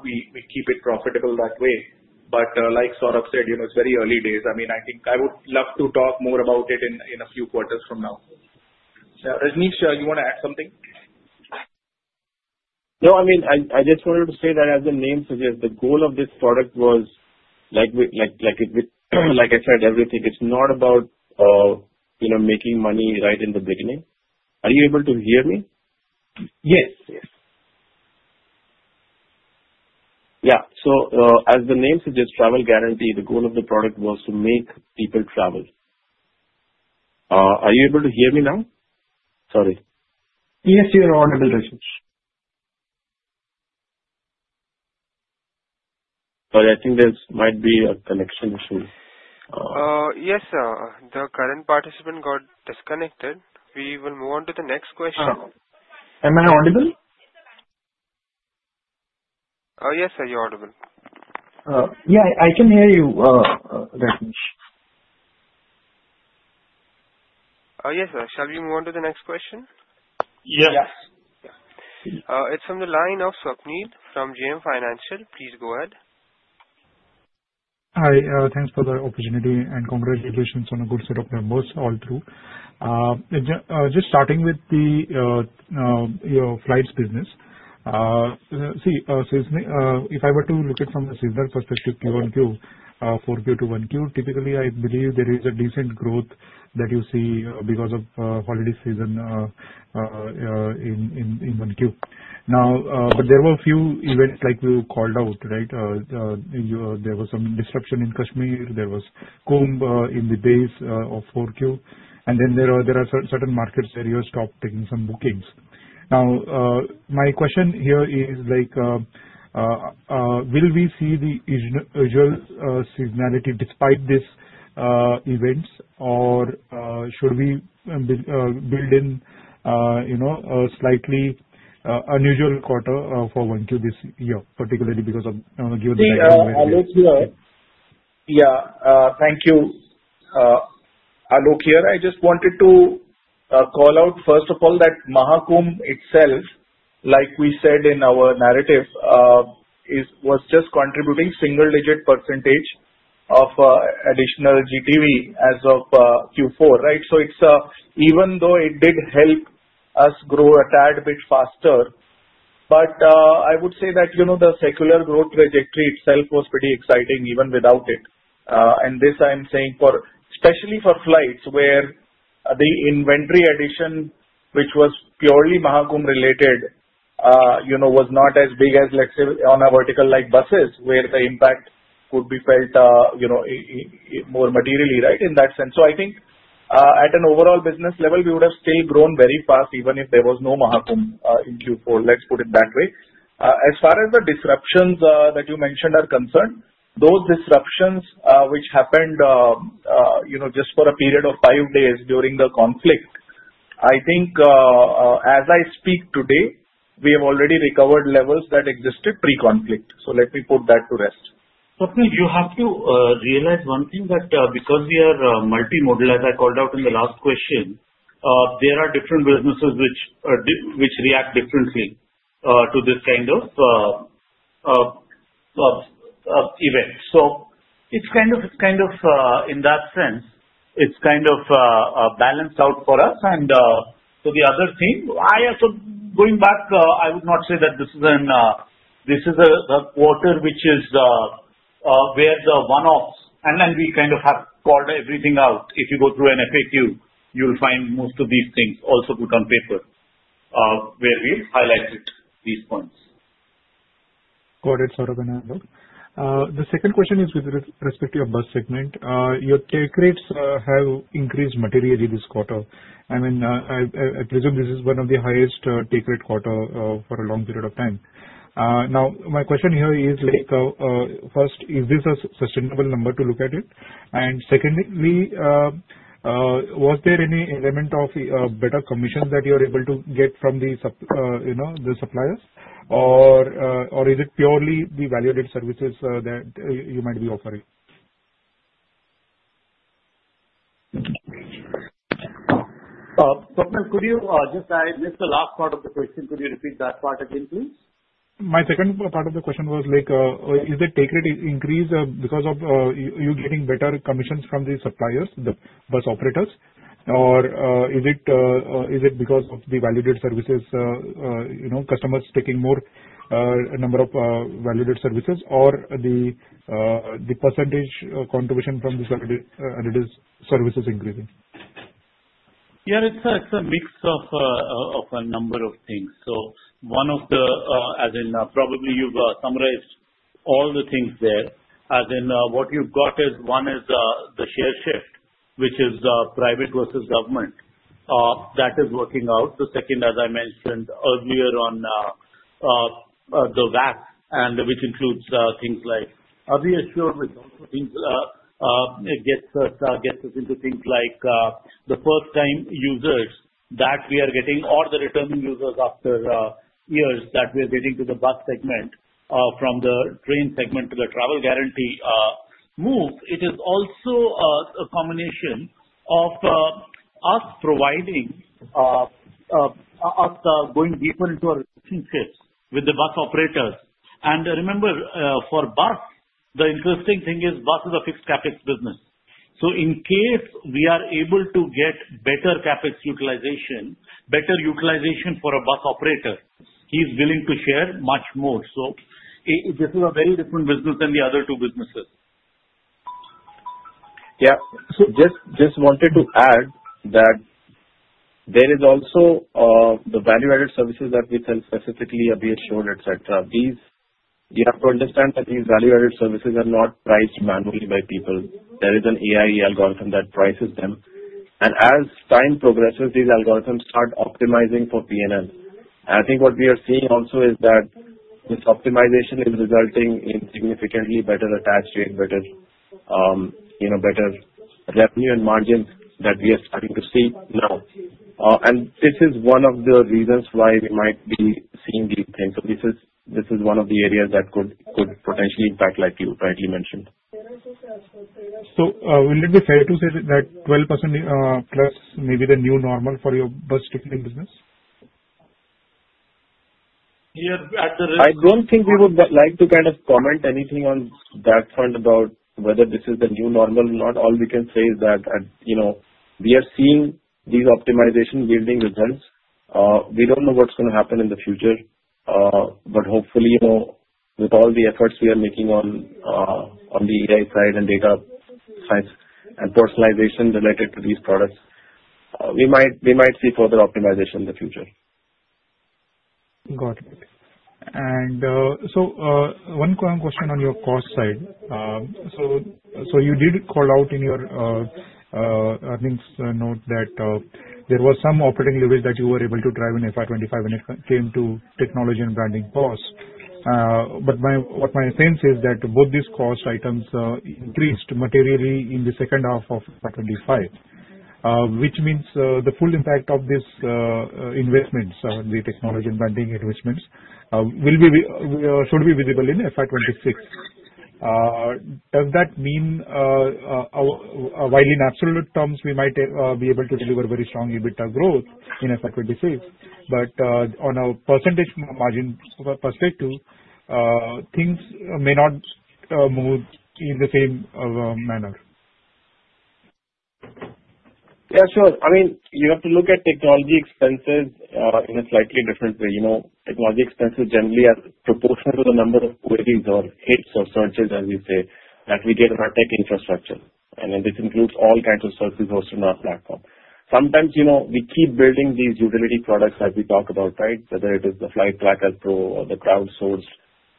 We keep it profitable that way. Like Saurabh said, it's very early days. I mean, I think I would love to talk more about it in a few quarters from now. Rajnish, you want to add something? No, I just wanted to say that as the name suggests, the goal of this product was, like I said, everything, it's not about making money right in the beginning. Are you able to hear me? Yes. Yes. Yeah. As the name suggests, travel guarantee, the goal of the product was to make people travel. Are you able to hear me now? Sorry. Yes, you're audible, Rajnish. Sorry, I think there might be a connection issue. Yes, sir. The current participant got disconnected. We will move on to the next question. Am I audible? Yes, sir, you're audible. Yeah, I can hear you, Rajnish. Yes, sir. Shall we move on to the next question? Yes. It's from the line of Swapnil from JM Financial. Please go ahead. Hi. Thanks for the opportunity and congratulations on a good set of numbers all through. Just starting with your flights business, see, if I were to look at from the seasonal perspective, Q1, Q2, 4Q to 1Q, typically, I believe there is a decent growth that you see because of holiday season in 1Q. Now, but there were a few events like you called out, right? There was some disruption in Kashmir. There was Kumbh in the base of 4Q. There are certain markets where you stopped taking some bookings. My question here is, will we see the usual seasonality despite these events, or should we build in a slightly unusual quarter for 1Q this year, particularly because of given the data? Yeah, Aloke here. Thank you, Alokee here. I just wanted to call out, first of all, that Maha Kumbh itself, like we said in our narrative, was just contributing single-digit percentage of additional GTV as of Q4, right? Even though it did help us grow a tad bit faster, I would say that the secular growth trajectory itself was pretty exciting even without it. I'm saying this especially for flights where the inventory addition, which was purely Maha Kumbh related, was not as big as, let's say, on a vertical like buses where the impact could be felt more materially, right, in that sense. I think at an overall business level, we would have still grown very fast even if there was no Maha Kumbh in Q4, let's put it that way. As far as the disruptions that you mentioned are concerned, those disruptions which happened just for a period of five days during the conflict, I think as I speak today, we have already recovered levels that existed pre-conflict. Let me put that to rest. Swapnil, you have to realize one thing that because we are multi-modal, as I called out in the last question, there are different businesses which react differently to this kind of event. It is kind of in that sense, it is kind of balanced out for us. The other thing, going back, I would not say that this is a quarter which is where the one-offs, and then we kind of have called everything out. If you go through NFAQ, you will find most of these things also put on paper where we highlighted these points. Got it, Saurabh and Aloke. The second question is with respect to your bus segment. Your take rates have increased materially this quarter. I mean, I presume this is one of the highest take rate quarters for a long period of time. Now, my question here is, first, is this a sustainable number to look at? And secondly, was there any element of better commission that you are able to get from the suppliers? Or is it purely the value-added services that you might be offering? Swapnil, could you just—I missed the last part of the question. Could you repeat that part again, please? My second part of the question was, is the take rate increase because of you getting better commissions from the suppliers, the bus operators? Or is it because of the value-added services, customers taking more number of value-added services, or the percentage contribution from the value-added services increasing? Yeah, it's a mix of a number of things. One of the—as in, probably you've summarized all the things there. As in, what you've got is one is the share shift, which is private versus government. That is working out. The second, as I mentioned earlier on, the VAT, which includes things like value-added products, which also gets us into things like the first-time users that we are getting, or the returning users after years that we are getting to the bus segment from the train segment to the travel guarantee move. It is also a combination of us providing, us going deeper into our relationships with the bus operators. Remember, for bus, the interesting thing is bus is a fixed CapEx business. In case we are able to get better CapEx utilization, better utilization for a bus operator, he is willing to share much more. This is a very different business than the other two businesses. Yeah. Just wanted to add that there is also the value-added services that we sell specifically, value-added products, etc. You have to understand that these value-added services are not priced manually by people. There is an AI algorithm that prices them. As time progresses, these algorithms start optimizing for P&L. I think what we are seeing also is that this optimization is resulting in significantly better attached rate, better revenue and margins that we are starting to see now. This is one of the reasons why we might be seeing these things. This is one of the areas that could potentially impact, like you rightly mentioned. Will it be fair to say that 12% plus may be the new normal for your bus ticketing business? Yeah, at the— I do not think we would like to kind of comment anything on that front about whether this is the new normal. All we can say is that we are seeing these optimizations yielding results. We don't know what's going to happen in the future. Hopefully, with all the efforts we are making on the AI side and data science and personalization related to these products, we might see further optimization in the future. Got it. One quick question on your cost side. You did call out in your earnings note that there was some operating leverage that you were able to drive in FY 2025 when it came to technology and branding cost. What my sense is that both these cost items increased materially in the second half of FY 2025, which means the full impact of these investments, the technology and branding investments, should be visible in FY 2026. Does that mean while in absolute terms, we might be able to deliver very strong EBITDA growth in FY 2026, but on a percentage margin perspective, things may not move in the same manner? Yeah, sure. I mean, you have to look at technology expenses in a slightly different way. Technology expenses generally are proportional to the number of queries or hits or searches, as we say, that we get on our tech infrastructure. This includes all kinds of searches hosted on our platform. Sometimes we keep building these utility products that we talk about, right? Whether it is the Flight Tracker Pro or the crowdsourced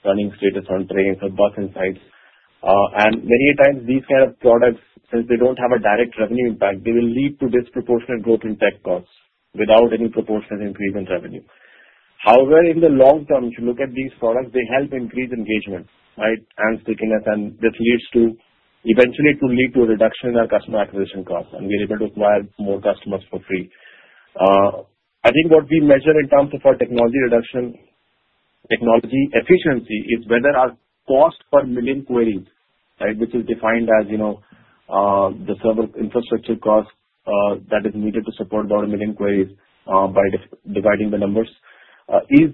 running status on trains or Bus Insights. Many times, these kind of products, since they do not have a direct revenue impact, will lead to disproportionate growth in tech costs without any proportionate increase in revenue. However, in the long term, if you look at these products, they help increase engagement, right, and stickiness, and this eventually leads to a reduction in our customer acquisition costs, and we are able to acquire more customers for free. I think what we measure in terms of our technology reduction, technology efficiency is whether our cost per million queries, right, which is defined as the server infrastructure cost that is needed to support those million queries by dividing the numbers, is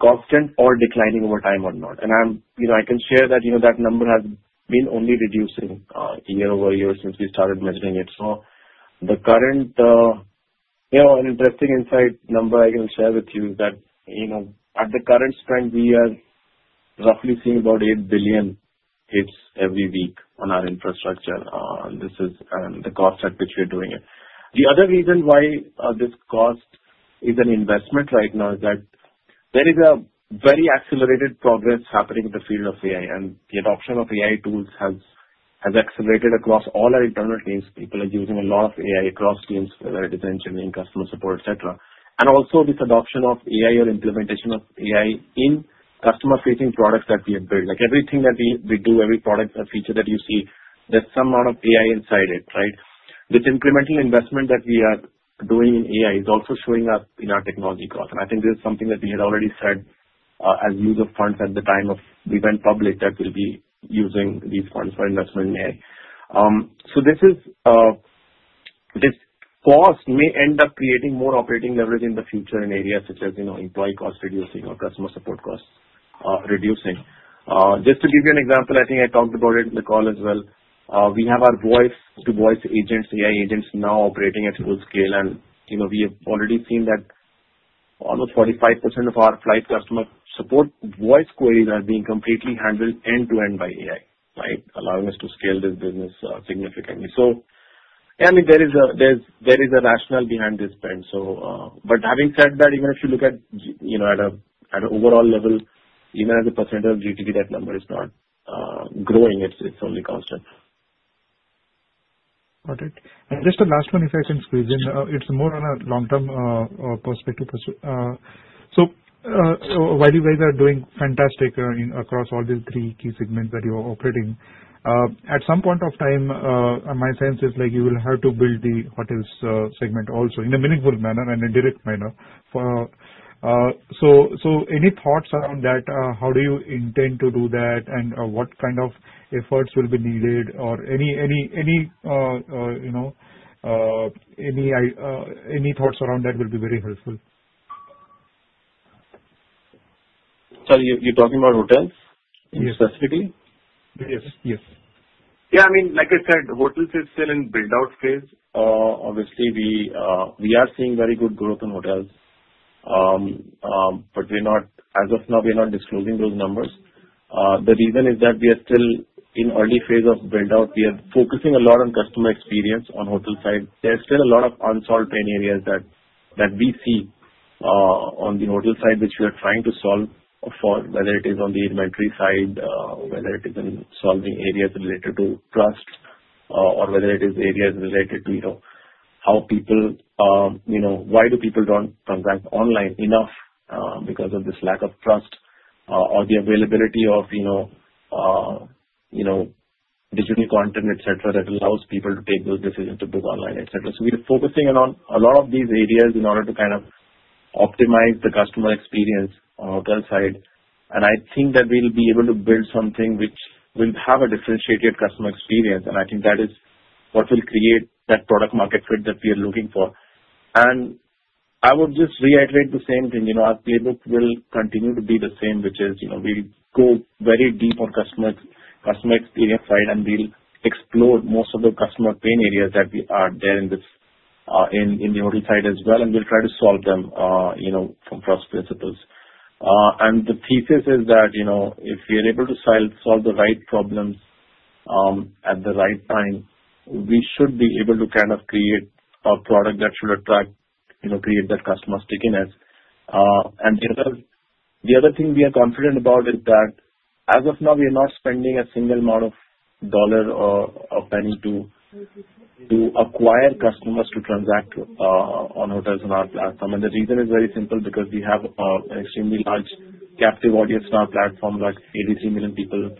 constant or declining over time or not. I can share that that number has been only reducing year-over-year since we started measuring it. The current interesting insight I can share with you is that at the current spend, we are roughly seeing about 8 billion hits every week on our infrastructure. This is the cost at which we are doing it. The other reason why this cost is an investment right now is that there is a very accelerated progress happening in the field of AI, and the adoption of AI tools has accelerated across all our internal teams. People are using a lot of AI across teams, whether it is engineering, customer support, etc. Also, this adoption of AI or implementation of AI in customer-facing products that we have built. Everything that we do, every product or feature that you see, there is some amount of AI inside it, right? This incremental investment that we are doing in AI is also showing up in our technology cost. I think this is something that we had already said as use of funds at the time we went public that we will be using these funds for investment in AI. This cost may end up creating more operating leverage in the future in areas such as employee cost reducing or customer support cost reducing. Just to give you an example, I think I talked about it in the call as well. We have our voice-to-voice agents, AI agents now operating at full scale, and we have already seen that almost 45% of our flight customer support voice queries are being completely handled end-to-end by AI, right, allowing us to scale this business significantly. Yeah, I mean, there is a rationale behind this spend. Having said that, even if you look at an overall level, even at the percentage of GTV, that number is not growing. It is only constant. Got it. Just the last one, if I can squeeze in, it is more on a long-term perspective. While you guys are doing fantastic across all these three key segments that you are operating, at some point of time, my sense is you will have to build the hotels segment also in a meaningful manner and in direct manner. Any thoughts around that? How do you intend to do that, and what kind of efforts will be needed? Any thoughts around that will be very helpful. Sorry, you're talking about hotels specifically? Yes. Yes. Yeah, I mean, like I said, hotels are still in build-out phase. Obviously, we are seeing very good growth in hotels, but as of now, we are not disclosing those numbers. The reason is that we are still in early phase of build-out. We are focusing a lot on customer experience on hotel side. There's still a lot of unsolved pain areas that we see on the hotel side which we are trying to solve for, whether it is on the inventory side, whether it is in solving areas related to trust, or whether it is areas related to how people—why do people not transact online enough because of this lack of trust or the availability of digital content, etc., that allows people to take those decisions to book online, etc.? We are focusing on a lot of these areas in order to kind of optimize the customer experience on the hotel side. I think that we'll be able to build something which will have a differentiated customer experience, and I think that is what will create that product-market fit that we are looking for. I would just reiterate the same thing. Our playbook will continue to be the same, which is we'll go very deep on customer experience side, and we'll explore most of the customer pain areas that are there in the hotel side as well, and we'll try to solve them from first principles. The thesis is that if we are able to solve the right problems at the right time, we should be able to kind of create a product that should attract, create that customer stickiness. The other thing we are confident about is that as of now, we are not spending a single amount of dollar or penny to acquire customers to transact on hotels on our platform. The reason is very simple because we have an extremely large captive audience on our platform, like 83 million people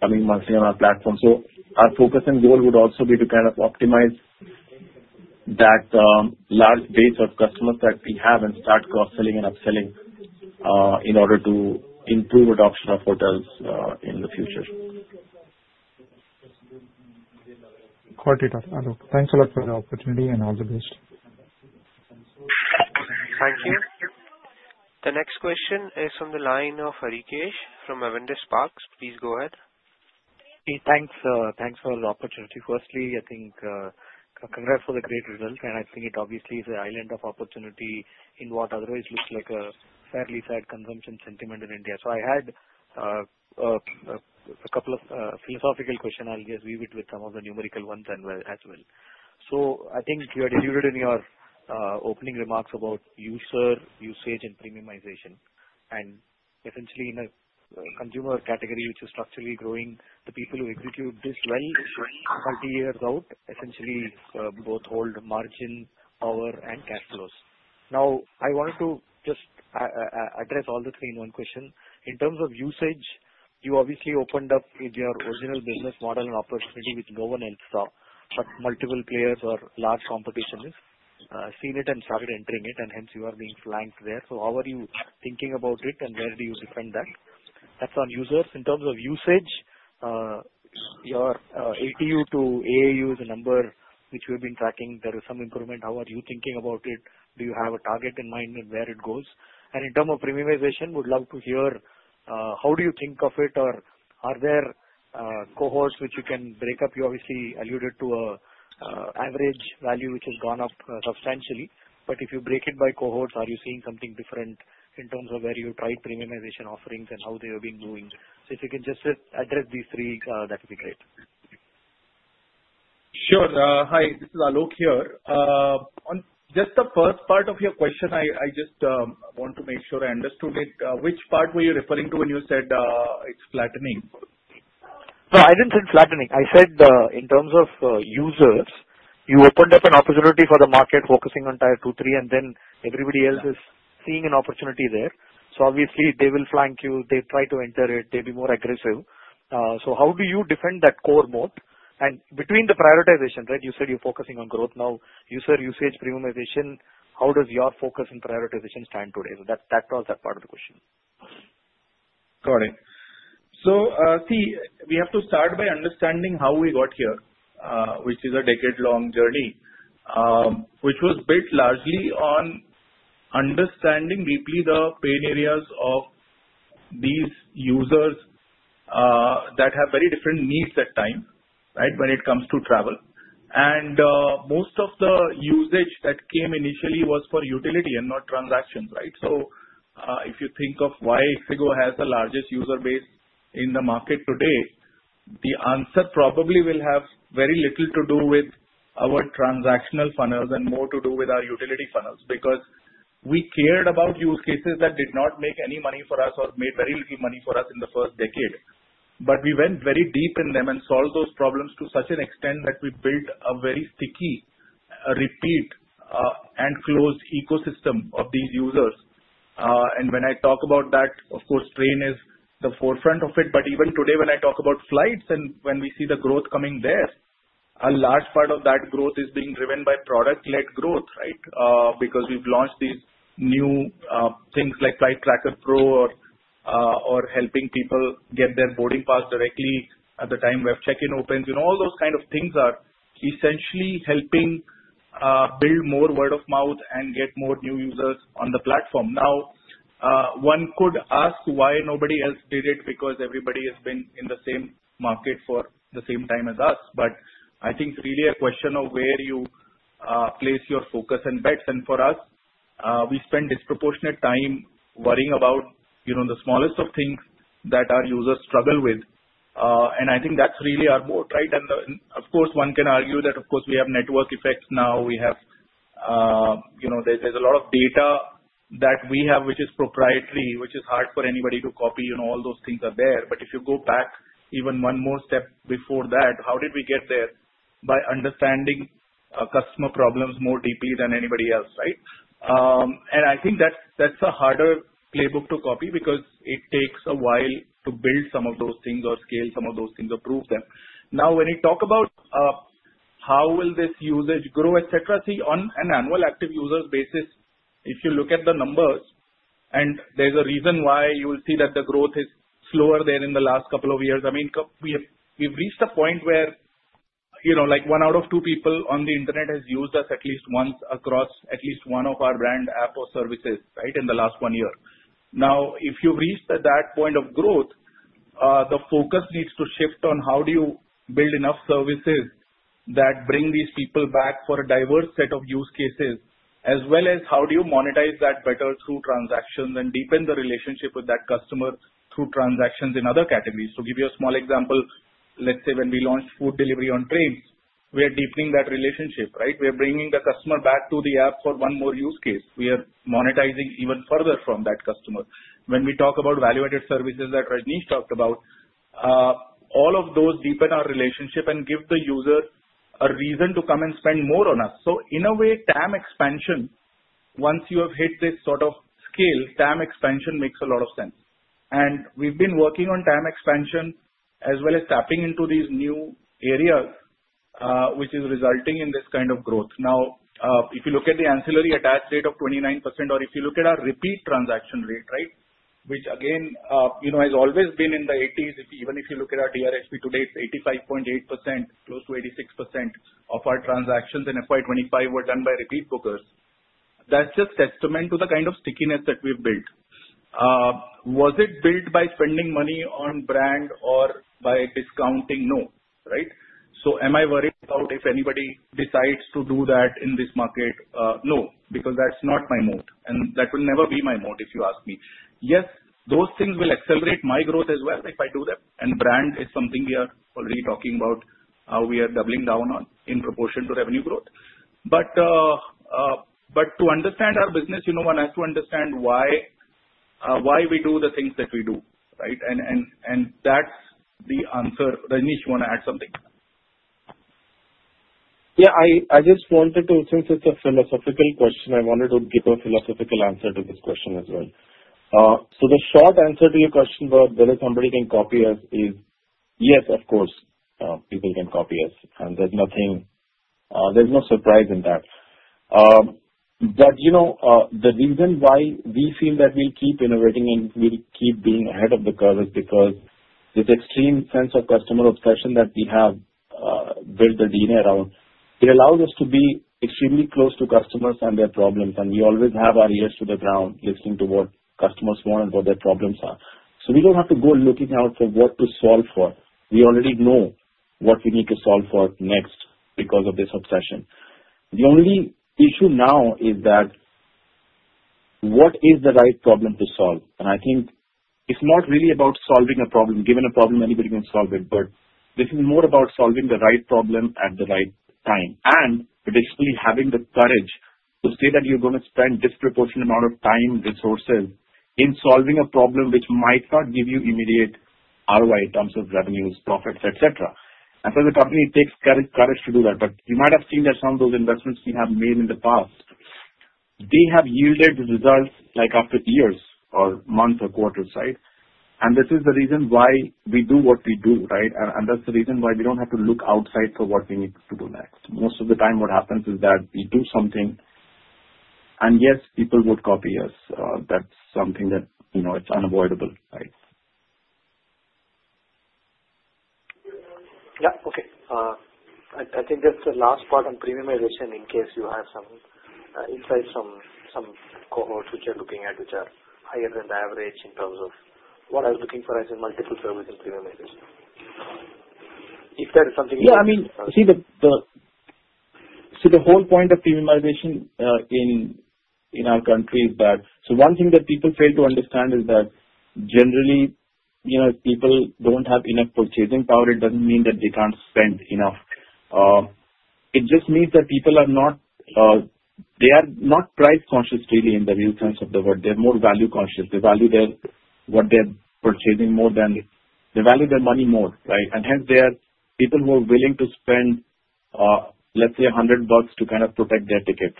coming monthly on our platform. So our focus and goal would also be to kind of optimize that large base of customers that we have and start cross-selling and upselling in order to improve adoption of hotels in the future. Got it. Aloke, thanks a lot for the opportunity and all the best. Thank you. The next question is from the line of Harikesh from Avendus Parks. Please go ahead. Thanks for the opportunity. Firstly, I think congrats for the great result, and I think it obviously is an island of opportunity in what otherwise looks like a fairly sad consumption sentiment in India. I had a couple of philosophical questions. I'll just weave it with some of the numerical ones as well. I think you had alluded in your opening remarks about user, usage, and premiumization. Essentially, in a consumer category which is structurally growing, the people who execute this well 30 years out essentially both hold margin, power, and cash flows. I wanted to just address all the three in one question. In terms of usage, you obviously opened up your original business model and opportunity which no one else saw, but multiple players or large competition have seen it and started entering it, and hence you are being flanked there. How are you thinking about it, and where do you defend that? That is on users. In terms of usage, your ATU to AAU is a number which we have been tracking. There is some improvement. How are you thinking about it? Do you have a target in mind and where it goes? In terms of premiumization, would love to hear how do you think of it, or are there cohorts which you can break up? You obviously alluded to an average value which has gone up substantially. If you break it by cohorts, are you seeing something different in terms of where you tried premiumization offerings and how they have been moving? If you can just address these three, that would be great. Sure. Hi, this is Aloke here. Just the first part of your question, I just want to make sure I understood it. Which part were you referring to when you said it's flattening? No, I didn't say flattening. I said in terms of users, you opened up an opportunity for the market focusing on tier two, three, and then everybody else is seeing an opportunity there. Obviously, they will flank you. They try to enter it. They'll be more aggressive. How do you defend that core moat? Between the prioritization, right, you said you're focusing on growth. Now, user usage premiumization, how does your focus and prioritization stand today? That was that part of the question. Got it. See, we have to start by understanding how we got here, which is a decade-long journey, which was built largely on understanding deeply the pain areas of these users that have very different needs at times, right, when it comes to travel. Most of the usage that came initially was for utility and not transactions, right? If you think of why ixigo has the largest user base in the market today, the answer probably will have very little to do with our transactional funnels and more to do with our utility funnels because we cared about use cases that did not make any money for us or made very little money for us in the first decade. We went very deep in them and solved those problems to such an extent that we built a very sticky, repeat, and closed ecosystem of these users. When I talk about that, of course, train is the forefront of it. Even today, when I talk about flights and when we see the growth coming there, a large part of that growth is being driven by product-led growth, right? Because we've launched these new things like Flight Tracker Pro or helping people get their boarding pass directly at the time web check-in opens. All those kind of things are essentially helping build more word of mouth and get more new users on the platform. Now, one could ask why nobody else did it because everybody has been in the same market for the same time as us. I think it is really a question of where you place your focus and bets. For us, we spend disproportionate time worrying about the smallest of things that our users struggle with. I think that's really our moat, right? Of course, one can argue that, of course, we have network effects now. There's a lot of data that we have which is proprietary, which is hard for anybody to copy. All those things are there. If you go back even one more step before that, how did we get there? By understanding customer problems more deeply than anybody else, right? I think that's a harder playbook to copy because it takes a while to build some of those things or scale some of those things or prove them. Now, when you talk about how will this usage grow, etc., see, on an annual active user basis, if you look at the numbers, and there's a reason why you will see that the growth is slower there in the last couple of years. I mean, we've reached a point where one out of two people on the internet has used us at least once across at least one of our brand app or services, right, in the last one year. Now, if you've reached that point of growth, the focus needs to shift on how do you build enough services that bring these people back for a diverse set of use cases, as well as how do you monetize that better through transactions and deepen the relationship with that customer through transactions in other categories. To give you a small example, let's say when we launched food delivery on trains, we are deepening that relationship, right? We are bringing the customer back to the app for one more use case. We are monetizing even further from that customer. When we talk about value-added services that Rajnish talked about, all of those deepen our relationship and give the user a reason to come and spend more on us. In a way, TAM expansion, once you have hit this sort of scale, TAM expansion makes a lot of sense. We have been working on TAM expansion as well as tapping into these new areas, which is resulting in this kind of growth. If you look at the ancillary attached rate of 29%, or if you look at our repeat transaction rate, which again has always been in the 80s, even if you look at our DRHP today, it is 85.8%, close to 86% of our transactions in FY 2025 were done by repeat bookers. That is just a testament to the kind of stickiness that we have built. Was it built by spending money on brand or by discounting? No, right? Am I worried about if anybody decides to do that in this market? No, because that is not my moat. That will never be my moat if you ask me. Yes, those things will accelerate my growth as well if I do that. Brand is something we are already talking about how we are doubling down on in proportion to revenue growth. To understand our business, one has to understand why we do the things that we do, right? That is the answer. Rajnish, you want to add something? Yeah, I just wanted to, since it is a philosophical question, I wanted to give a philosophical answer to this question as well. The short answer to your question about whether somebody can copy us is yes, of course, people can copy us. There is no surprise in that. The reason why we feel that we will keep innovating and we will keep being ahead of the curve is because this extreme sense of customer obsession that we have built the DNA around allows us to be extremely close to customers and their problems. We always have our ears to the ground listening to what customers want and what their problems are. We do not have to go looking out for what to solve for. We already know what we need to solve for next because of this obsession. The only issue now is that what is the right problem to solve? I think it is not really about solving a problem. Given a problem, anybody can solve it. This is more about solving the right problem at the right time and basically having the courage to say that you are going to spend a disproportionate amount of time and resources in solving a problem which might not give you immediate ROI in terms of revenues, profits, etc. The company takes courage to do that. You might have seen that some of those investments we have made in the past have yielded results after years or months or quarters, right? This is the reason why we do what we do, right? That's the reason why we do not have to look outside for what we need to do next. Most of the time, what happens is that we do something, and yes, people would copy us. That's something that is unavoidable, right? Yeah. I think just the last part on premiumization in case you have some insights from some cohorts which are looking at which are higher than the average in terms of what I was looking for as in multiple services premiumization. If that is something you— Yeah, I mean, see, the whole point of premiumization in our country is that—so one thing that people fail to understand is that generally, if people do not have enough purchasing power, it does not mean that they cannot spend enough. It just means that people are not—they are not price-conscious, really, in the real sense of the word. They are more value-conscious. They value what they are purchasing more than—they value their money more, right? Hence, there are people who are willing to spend, let's say, INR 100 to kind of protect their ticket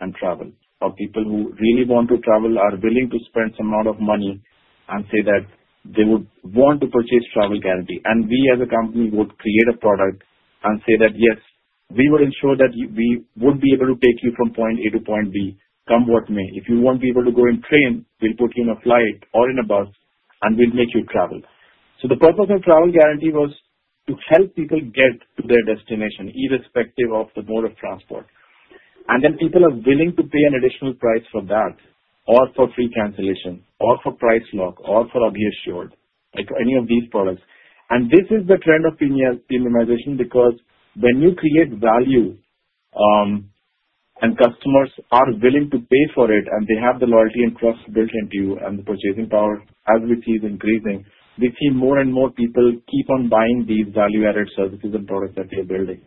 and travel. Or people who really want to travel are willing to spend some amount of money and say that they would want to purchase travel guarantee. We, as a company, would create a product and say that, "Yes, we will ensure that we would be able to take you from point A to point B, come what may. If you won't be able to go in train, we'll put you on a flight or in a bus, and we'll make you travel. The purpose of travel guarantee was to help people get to their destination, irrespective of the mode of transport. People are willing to pay an additional price for that, or for free cancellation, or for price lock, or for a reassured, any of these products. This is the trend of premiumization because when you create value and customers are willing to pay for it and they have the loyalty and trust built into you and the purchasing power, as we see it increasing, we see more and more people keep on buying these value-added services and products that they're building.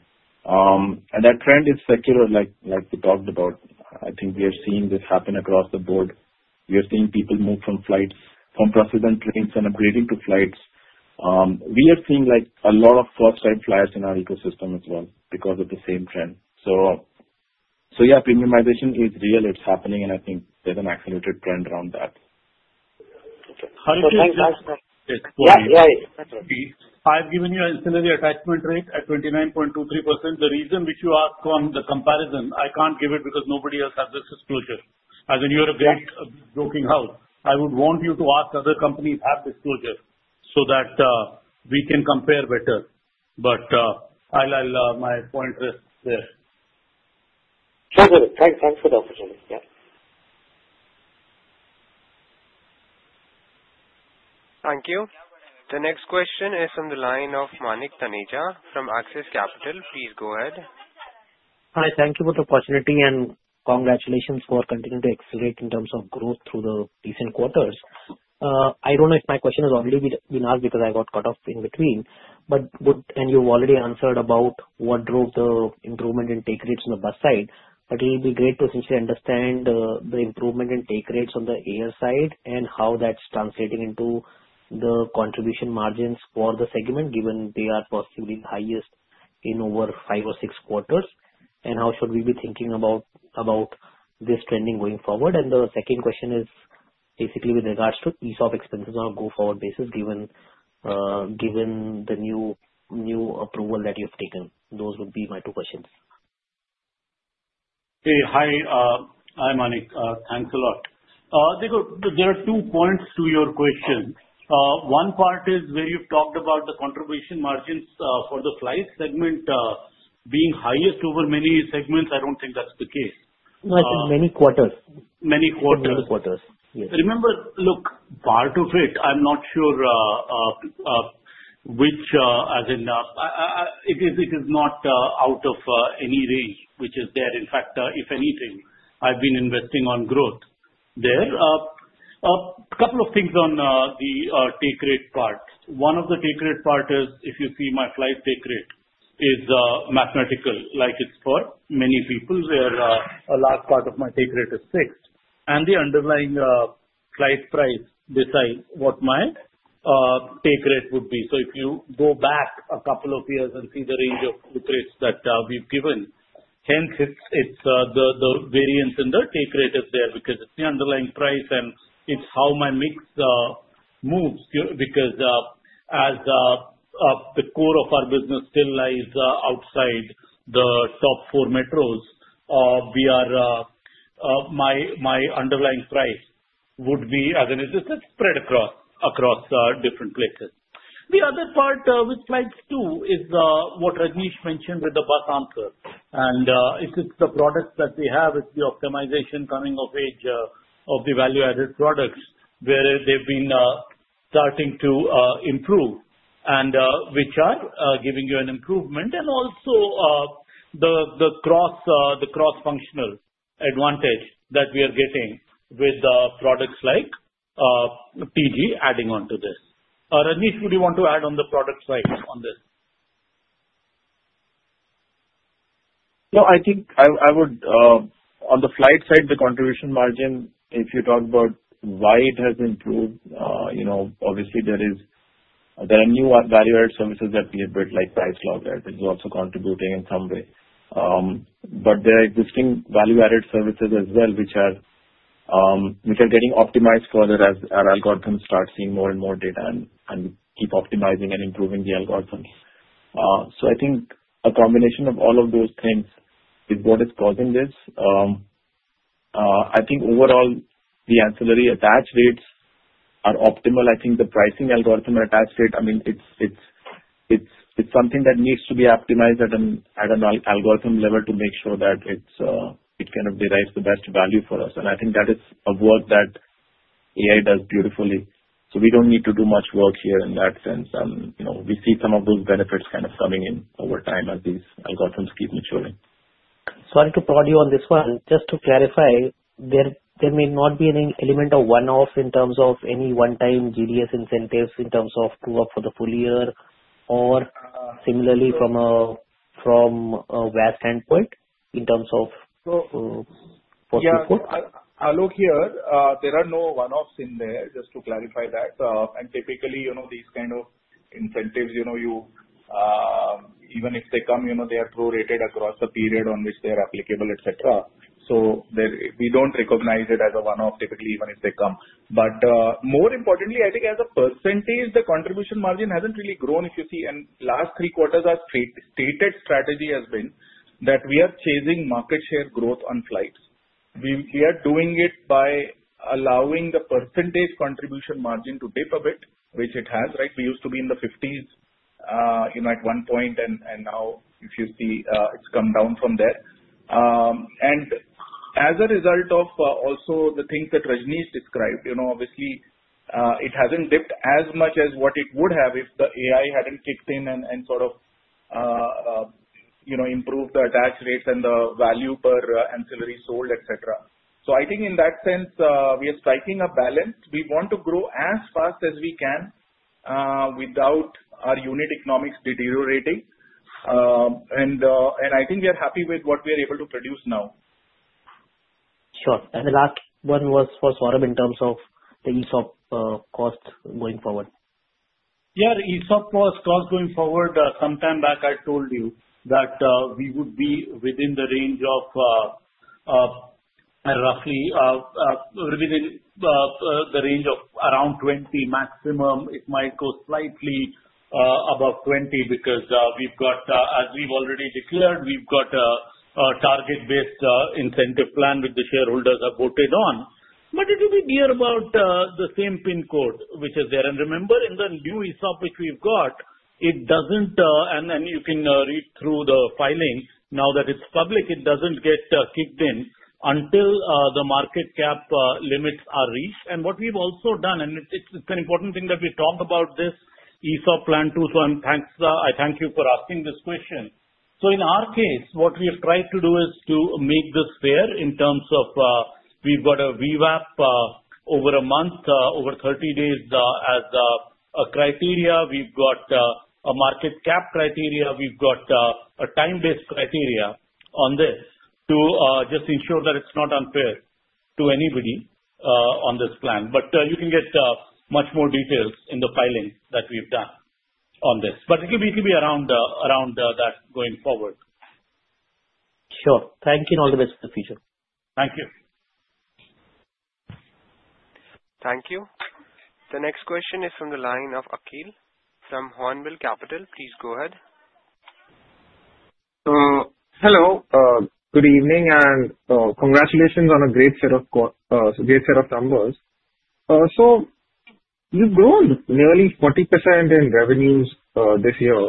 That trend is secular, like we talked about. I think we have seen this happen across the board. We have seen people move from flights, from buses, and trains, and upgrading to flights. We are seeing a lot of cross-site flights in our ecosystem as well because of the same trend. Yeah, premiumization is real. It's happening, and I think there's an accelerated trend around that. Thank you. Yeah, yeah. I've given you ancillary attachment rate at 29.23%. The reason which you ask on the comparison, I can't give it because nobody else has this disclosure. As in, you're a great joking house. I would want you to ask other companies have disclosure so that we can compare better. I'll allow my point rest there. Sure, sir. Thanks for the opportunity. Yeah. Thank you. The next question is from the line of Manik Taneja from Axis Capital. Please go ahead. Hi. Thank you for the opportunity and congratulations for continuing to accelerate in terms of growth through the recent quarters. I don't know if my question has already been asked because I got cut off in between, but you've already answered about what drove the improvement in take rates on the bus side. It will be great to essentially understand the improvement in take rates on the air side and how that's translating into the contribution margins for the segment, given they are possibly the highest in over five or six quarters, and how should we be thinking about this trending going forward. The second question is basically with regards to ease of expenses on a go-forward basis, given the new approval that you've taken. Those would be my two questions. Hey, hi. Hi, Manik. Thanks a lot. There are two points to your question. One part is where you've talked about the contribution margins for the flight segment being highest over many segments. I don't think that's the case. No, I said many quarters. Many quarters. Many quarters. Yes. Remember, look, part of it, I'm not sure which, as in, it is not out of any range which is there. In fact, if anything, I've been investing on growth there. A couple of things on the take rate part. One of the take rate part is, if you see my flight take rate, it's mathematical. Like it's for many people where a large part of my take rate is fixed. And the underlying flight price decides what my take rate would be. If you go back a couple of years and see the range of the rates that we've given, hence the variance in the take rate is there because it's the underlying price and it's how my mix moves. Because as the core of our business still lies outside the top four metros, my underlying price would be, as in, it's spread across different places. The other part with flights too is what Rajnish mentioned with the bus answer. If it is the products that they have, it is the optimization coming of age of the value-added products where they have been starting to improve, and which are giving you an improvement. Also, the cross-functional advantage that we are getting with products like TG adding on to this. Rajnish, would you want to add on the product side on this? No, I think I would, on the flight side, the contribution margin, if you talk about why it has improved, obviously there are new value-added services that we have built like price lock that is also contributing in some way. There are existing value-added services as well which are getting optimized further as our algorithms start seeing more and more data and keep optimizing and improving the algorithms. I think a combination of all of those things is what is causing this. I think overall, the ancillary attached rates are optimal. I think the pricing algorithm attached rate, I mean, it's something that needs to be optimized at an algorithm level to make sure that it kind of derives the best value for us. I think that is a work that AI does beautifully. We don't need to do much work here in that sense. We see some of those benefits kind of coming in over time as these algorithms keep maturing. I wanted to prod you on this one. Just to clarify, there may not be any element of one-off in terms of any one-time GDS incentives in terms of two-up for the full year or similarly from a WASP standpoint in terms of post-report? Yeah.Aloke here. There are no one-offs in there, just to clarify that. Typically, these kind of incentives, even if they come, they are prorated across the period on which they are applicable, etc. We do not recognize it as a one-off, typically, even if they come. More importantly, I think as a percentage, the contribution margin has not really grown, if you see. Last three quarters, our stated strategy has been that we are chasing market share growth on flights. We are doing it by allowing the percentage contribution margin to dip a bit, which it has, right? We used to be in the 50s at one point, and now, if you see, it has come down from there. As a result of also the things that Rajnish described, obviously, it has not dipped as much as what it would have if the AI had not kicked in and sort of improved the attached rates and the value per ancillary sold, etc. I think in that sense, we are striking a balance. We want to grow as fast as we can without our unit economics deteriorating. I think we are happy with what we are able to produce now. Sure. The last one was for Saurabh in terms of the ease of cost going forward. Yeah, the ease of cost going forward, some time back, I told you that we would be within the range of roughly within the range of around 20 maximum. It might go slightly above 20 because we've got, as we've already declared, we've got a target-based incentive plan which the shareholders have voted on. It will be near about the same PIN code which is there. Remember, in the new ease of which we've got, it doesn't—and you can read through the filing now that it's public—it doesn't get kicked in until the market cap limits are reached. What we've also done, and it's an important thing that we talk about this ease of plan too, so I thank you for asking this question. In our case, what we have tried to do is to make this fair in terms of we've got a VWAP over a month, over 30 days as a criteria. We've got a market cap criteria. We've got a time-based criteria on this to just ensure that it's not unfair to anybody on this plan. You can get much more details in the filing that we've done on this. It will be around that going forward. Sure. Thank you and all the best in the future. Thank you. Thank you. The next question is from the line of Akhil from Hornbill Capital. Please go ahead. Hello. Good evening and congratulations on a great set of numbers. We've grown nearly 40% in revenues this year.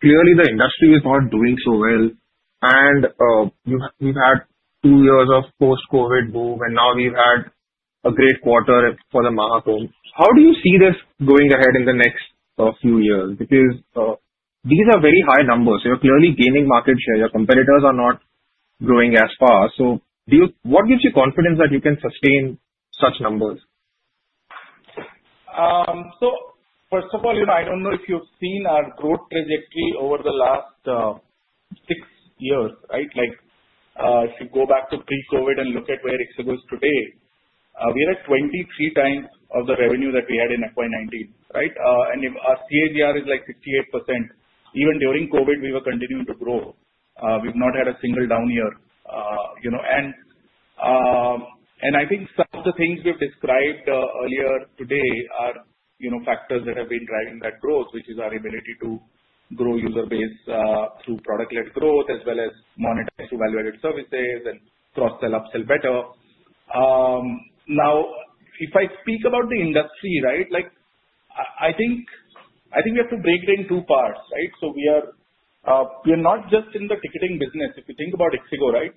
Clearly, the industry is not doing so well. We've had two years of post-COVID boom, and now we've had a great quarter for the Maha Kumbh. How do you see this going ahead in the next few years? These are very high numbers. You're clearly gaining market share. Your competitors are not growing as far. What gives you confidence that you can sustain such numbers? First of all, I don't know if you've seen our growth trajectory over the last six years, right? If you go back to pre-COVID and look at where ixigo is today, we are at 23 times the revenue that we had in FY 2019, right? And our CAGR is like 68%. Even during COVID, we were continuing to grow. We've not had a single down year. I think some of the things we've described earlier today are factors that have been driving that growth, which is our ability to grow user base through product-led growth, as well as monetize through value-added services and cross-sell upsell better. Now, if I speak about the industry, right, I think we have to break it into two parts, right? We are not just in the ticketing business. If you think about ixigo, right,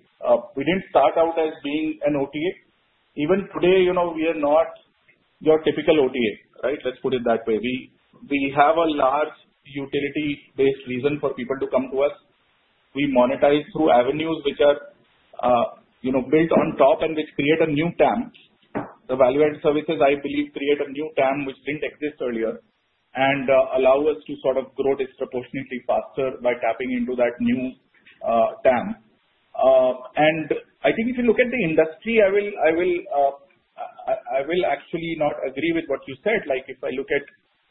we didn't start out as being an OTA. Even today, we are not your typical OTA, right? Let's put it that way. We have a large utility-based reason for people to come to us. We monetize through avenues which are built on top and which create a new TAM. The value-added services, I believe, create a new TAM which did not exist earlier and allow us to sort of grow disproportionately faster by tapping into that new TAM. I think if you look at the industry, I will actually not agree with what you said. If I look at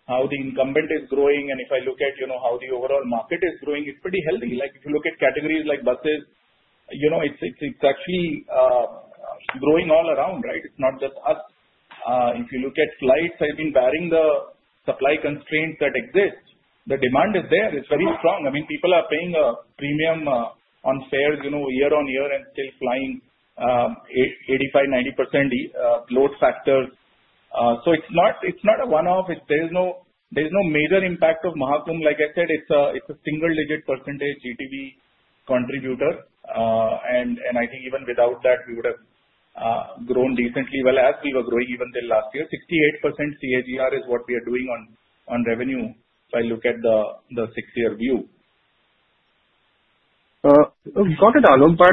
how the incumbent is growing and if I look at how the overall market is growing, it is pretty healthy. If you look at categories like buses, it is actually growing all around, right? It is not just us. If you look at flights, barring the supply constraints that exist, the demand is there. It is very strong. I mean, people are paying a premium on fares year on year and still flying 85-90% load factor. It is not a one-off. There is no major impact of Maha Kumbh. Like I said, it is a single-digit percentage GTV contributor. I think even without that, we would have grown decently well as we were growing even till last year. 68% CAGR is what we are doing on revenue if I look at the six-year view. Got it, Aloke.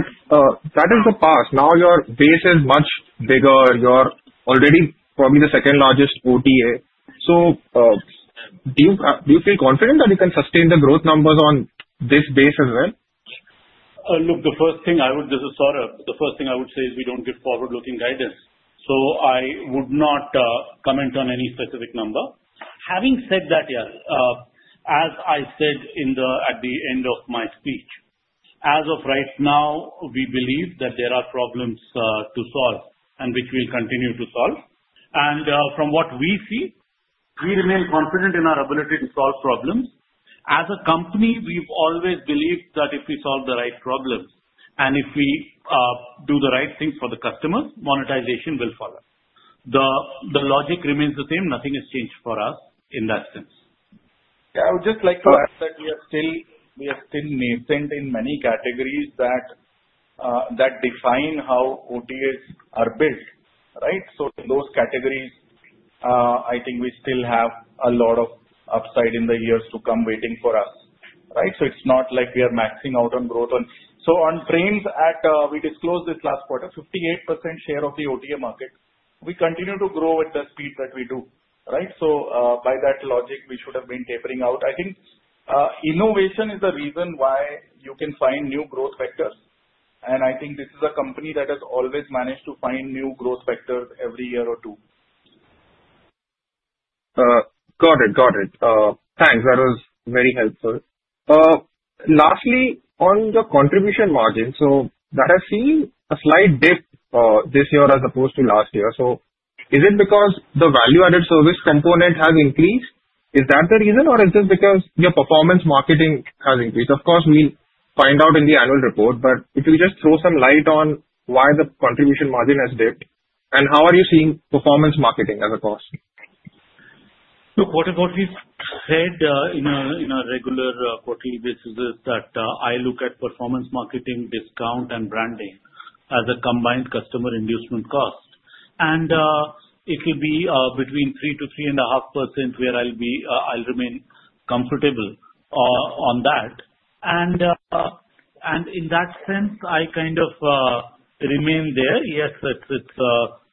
That is the past. Now your base is much bigger. You are already probably the second largest OTA. Do you feel confident that you can sustain the growth numbers on this base as well? Look, the first thing I would—this is Saurabh. The first thing I would say is we do not give forward-looking guidance. I would not comment on any specific number. Having said that, yeah, as I said at the end of my speech, as of right now, we believe that there are problems to solve and which we'll continue to solve. From what we see, we remain confident in our ability to solve problems. As a company, we've always believed that if we solve the right problems and if we do the right things for the customers, monetization will follow. The logic remains the same. Nothing has changed for us in that sense. Yeah. I would just like to add that we are still nascent in many categories that define how OTAs are built, right? In those categories, I think we still have a lot of upside in the years to come waiting for us, right? It's not like we are maxing out on growth. On trends at—we disclosed this last quarter—58% share of the OTA market. We continue to grow at the speed that we do, right? By that logic, we should have been tapering out. I think innovation is the reason why you can find new growth factors. I think this is a company that has always managed to find new growth factors every year or two. Got it. Got it. Thanks. That was very helpful. Lastly, on the contribution margin, that has seen a slight dip this year as opposed to last year. Is it because the value-added service component has increased? Is that the reason, or is this because your performance marketing has increased? Of course, we'll find out in the annual report, but if we just throw some light on why the contribution margin has dipped, and how are you seeing performance marketing as a cost? Look, what we've said in our regular quarterly basis is that I look at performance marketing, discount, and branding as a combined customer inducement cost. It will be between 3%-3.5% where I'll remain comfortable on that. In that sense, I kind of remain there. Yes,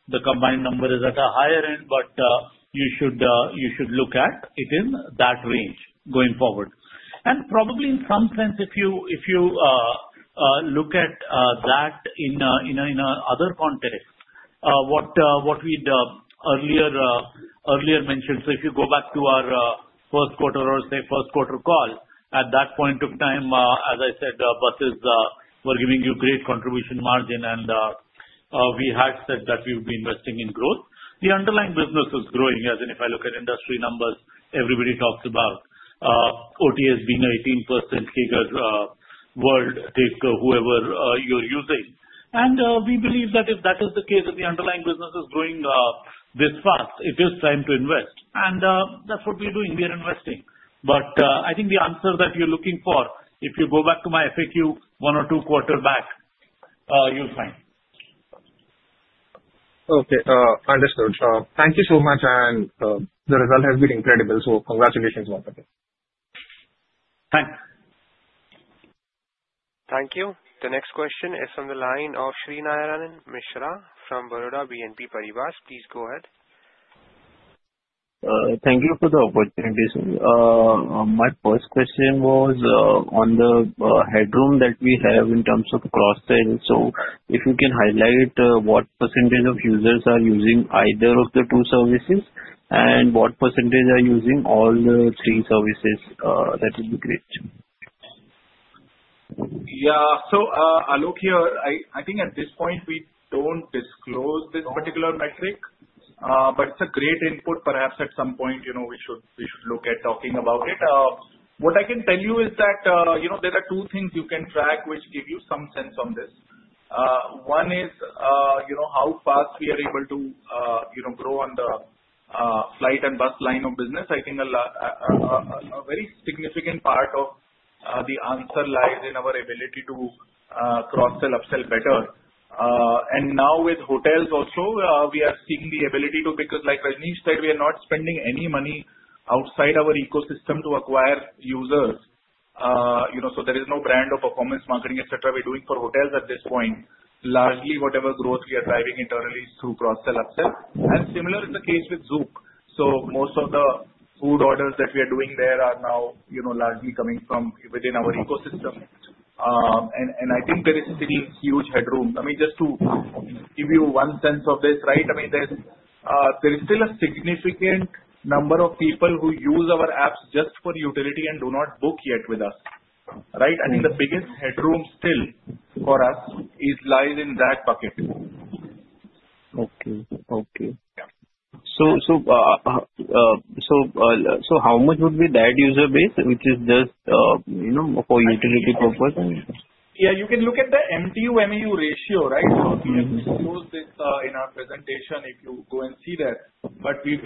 the combined number is at a higher end, but you should look at it in that range going forward. Probably in some sense, if you look at that in another context, what we had earlier mentioned, if you go back to our first quarter or say first quarter call, at that point of time, as I said, buses were giving you great contribution margin, and we had said that we would be investing in growth. The underlying business is growing, as in if I look at industry numbers, everybody talks about OTAs being 18% figure, world take whoever you are using. We believe that if that is the case, if the underlying business is growing this fast, it is time to invest. That is what we are doing. We are investing. I think the answer that you are looking for, if you go back to my FAQ one or two quarter back, you will find. Okay. Understood. Thank you so much. The result has been incredible. Congratulations once again. Thanks. Thank you. The next question is from the line of Shrinarayan Mishra from Baroda BNP Paribas. Please go ahead. Thank you for the opportunity. My first question was on the headroom that we have in terms of cross-sale. If you can highlight what percentage of users are using either of the two services and what percentage are using all the three services, that would be great. Yeah. Aloke here. I think at this point, we do not disclose this particular metric, but it is a great input. Perhaps at some point, we should look at talking about it. What I can tell you is that there are two things you can track which give you some sense on this. One is how fast we are able to grow on the flight and bus line of business. I think a very significant part of the answer lies in our ability to cross-sell, upsell better. Now with hotels also, we are seeing the ability to—because like Rajnish said, we are not spending any money outside our ecosystem to acquire users. There is no brand or performance marketing, etc., we are doing for hotels at this point. Largely, whatever growth we are driving internally is through cross-sell, upsell. Similar is the case with Zoom. Most of the food orders that we are doing there are now largely coming from within our ecosystem. I think there is still huge headroom. I mean, just to give you one sense of this, right? There is still a significant number of people who use our apps just for utility and do not book yet with us, right? I think the biggest headroom still for us lies in that bucket. Okay. Okay. So how much would be that user base which is just for utility purpose? Yeah. You can look at the MTU-MAU ratio, right? We have disclosed this in our presentation if you go and see that. But we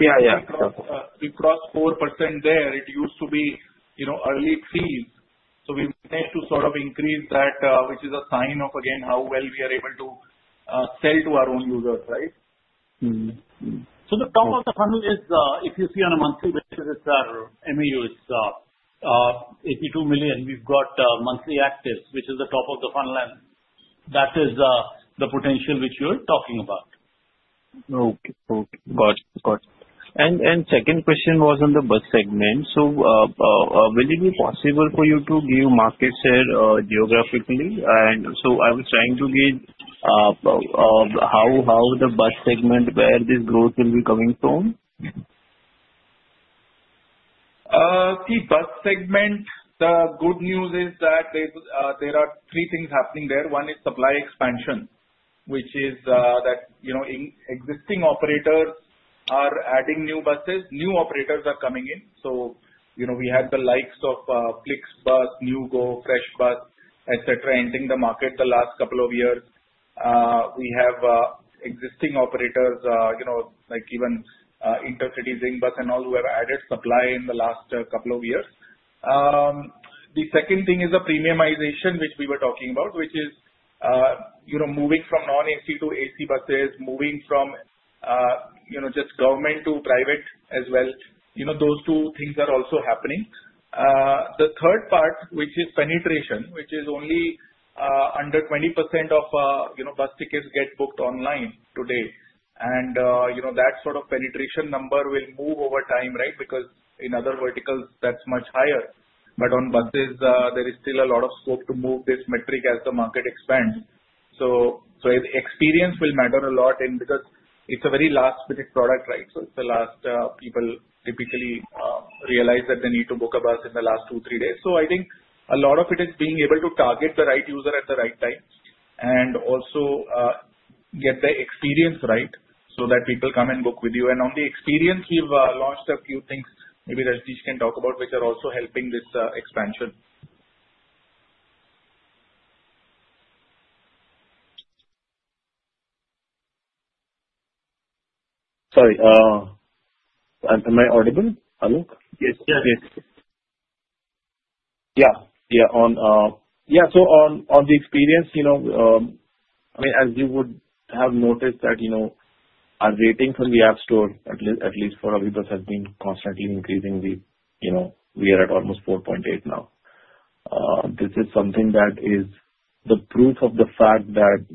crossed 4% there. It used to be early 3s. So we managed to sort of increase that, which is a sign of, again, how well we are able to sell to our own users, right? The top of the funnel is, if you see on a monthly basis, it's our MAU. It's 82 million. We've got monthly actives, which is the top of the funnel, and that is the potential which you're talking about. Okay. Okay. Got it. Got it. Second question was on the bus segment. Will it be possible for you to give market share geographically? I was trying to get how the bus segment, where this growth will be coming from. The bus segment, the good news is that there are three things happening there. One is supply expansion, which is that existing operators are adding new buses. New operators are coming in. We had the likes of PlixBus, NewGo, FreshBus, etc., entering the market the last couple of years. We have existing operators, like even Intercity ZingBus and all, who have added supply in the last couple of years. The second thing is the premiumization, which we were talking about, which is moving from non-AC to AC buses, moving from just government to private as well. Those two things are also happening. The third part, which is penetration, which is only under 20% of bus tickets get booked online today. That sort of penetration number will move over time, right? Because in other verticals, that's much higher. On buses, there is still a lot of scope to move this metric as the market expands. Experience will matter a lot because it's a very last-minute product, right? It's the last people typically realize that they need to book a bus in the last two, three days. I think a lot of it is being able to target the right user at the right time and also get the experience right so that people come and book with you. On the experience, we've launched a few things. Maybe Rajnish can talk about which are also helping this expansion. Sorry. Am I audible? Aloke? Yes. Yes. Yeah. On the experience, I mean, as you would have noticed that our rating from the App Store, at least for our AbhiBus, has been constantly increasing. We are at almost 4.8 now. This is something that is the proof of the fact that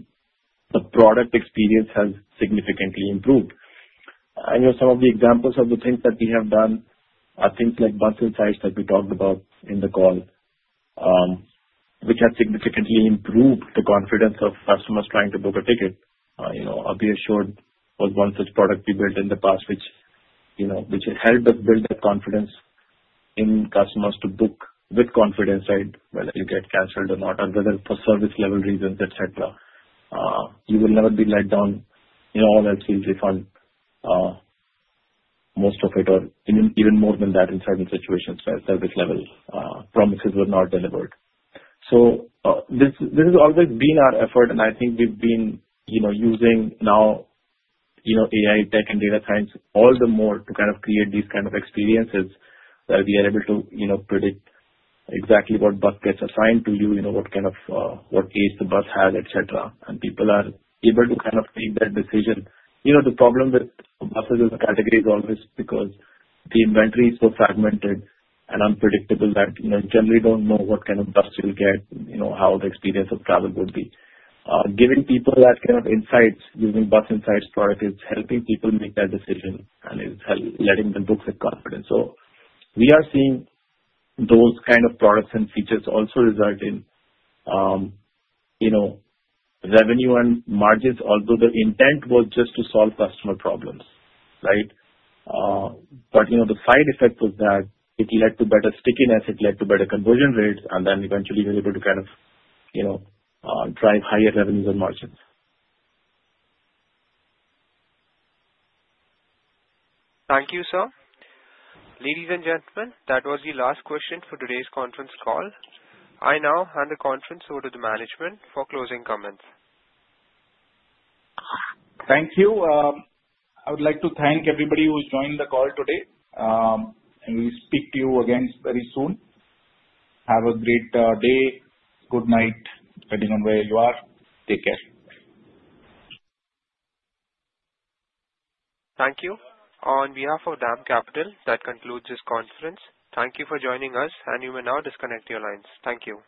the product experience has significantly improved. Some of the examples of the things that we have done, things like Bus Insights that we talked about in the call, which have significantly improved the confidence of customers trying to book a ticket. I'll be assured it was one such product we built in the past which has helped us build that confidence in customers to book with confidence, right? Whether you get canceled or not, or whether for service-level reasons, etc. You will never be let down. All that seems refund most of it, or even more than that in certain situations. Service-level promises were not delivered. This has always been our effort, and I think we've been using now AI, tech, and data science all the more to kind of create these kind of experiences that we are able to predict exactly what bus gets assigned to you, what kind of what age the bus has, etc. People are able to kind of make that decision. The problem with buses as a category is always because the inventory is so fragmented and unpredictable that you generally don't know what kind of bus you'll get, how the experience of travel would be. Giving people that kind of insights using Bus Insights product is helping people make that decision and is letting them book with confidence. We are seeing those kind of products and features also result in revenue and margins, although the intent was just to solve customer problems, right? The side effect was that it led to better stickiness, it led to better conversion rates, and then eventually we were able to kind of drive higher revenues and margins. Thank you, sir. Ladies and gentlemen, that was the last question for today's conference call. I now hand the conference over to the management for closing comments. Thank you. I would like to thank everybody who joined the call today. We speak to you again very soon. Have a great day. Good night, depending on where you are. Take care. Thank you. On behalf of DAM Capital, that concludes this conference. Thank you for joining us, and you may now disconnect your lines. Thank you.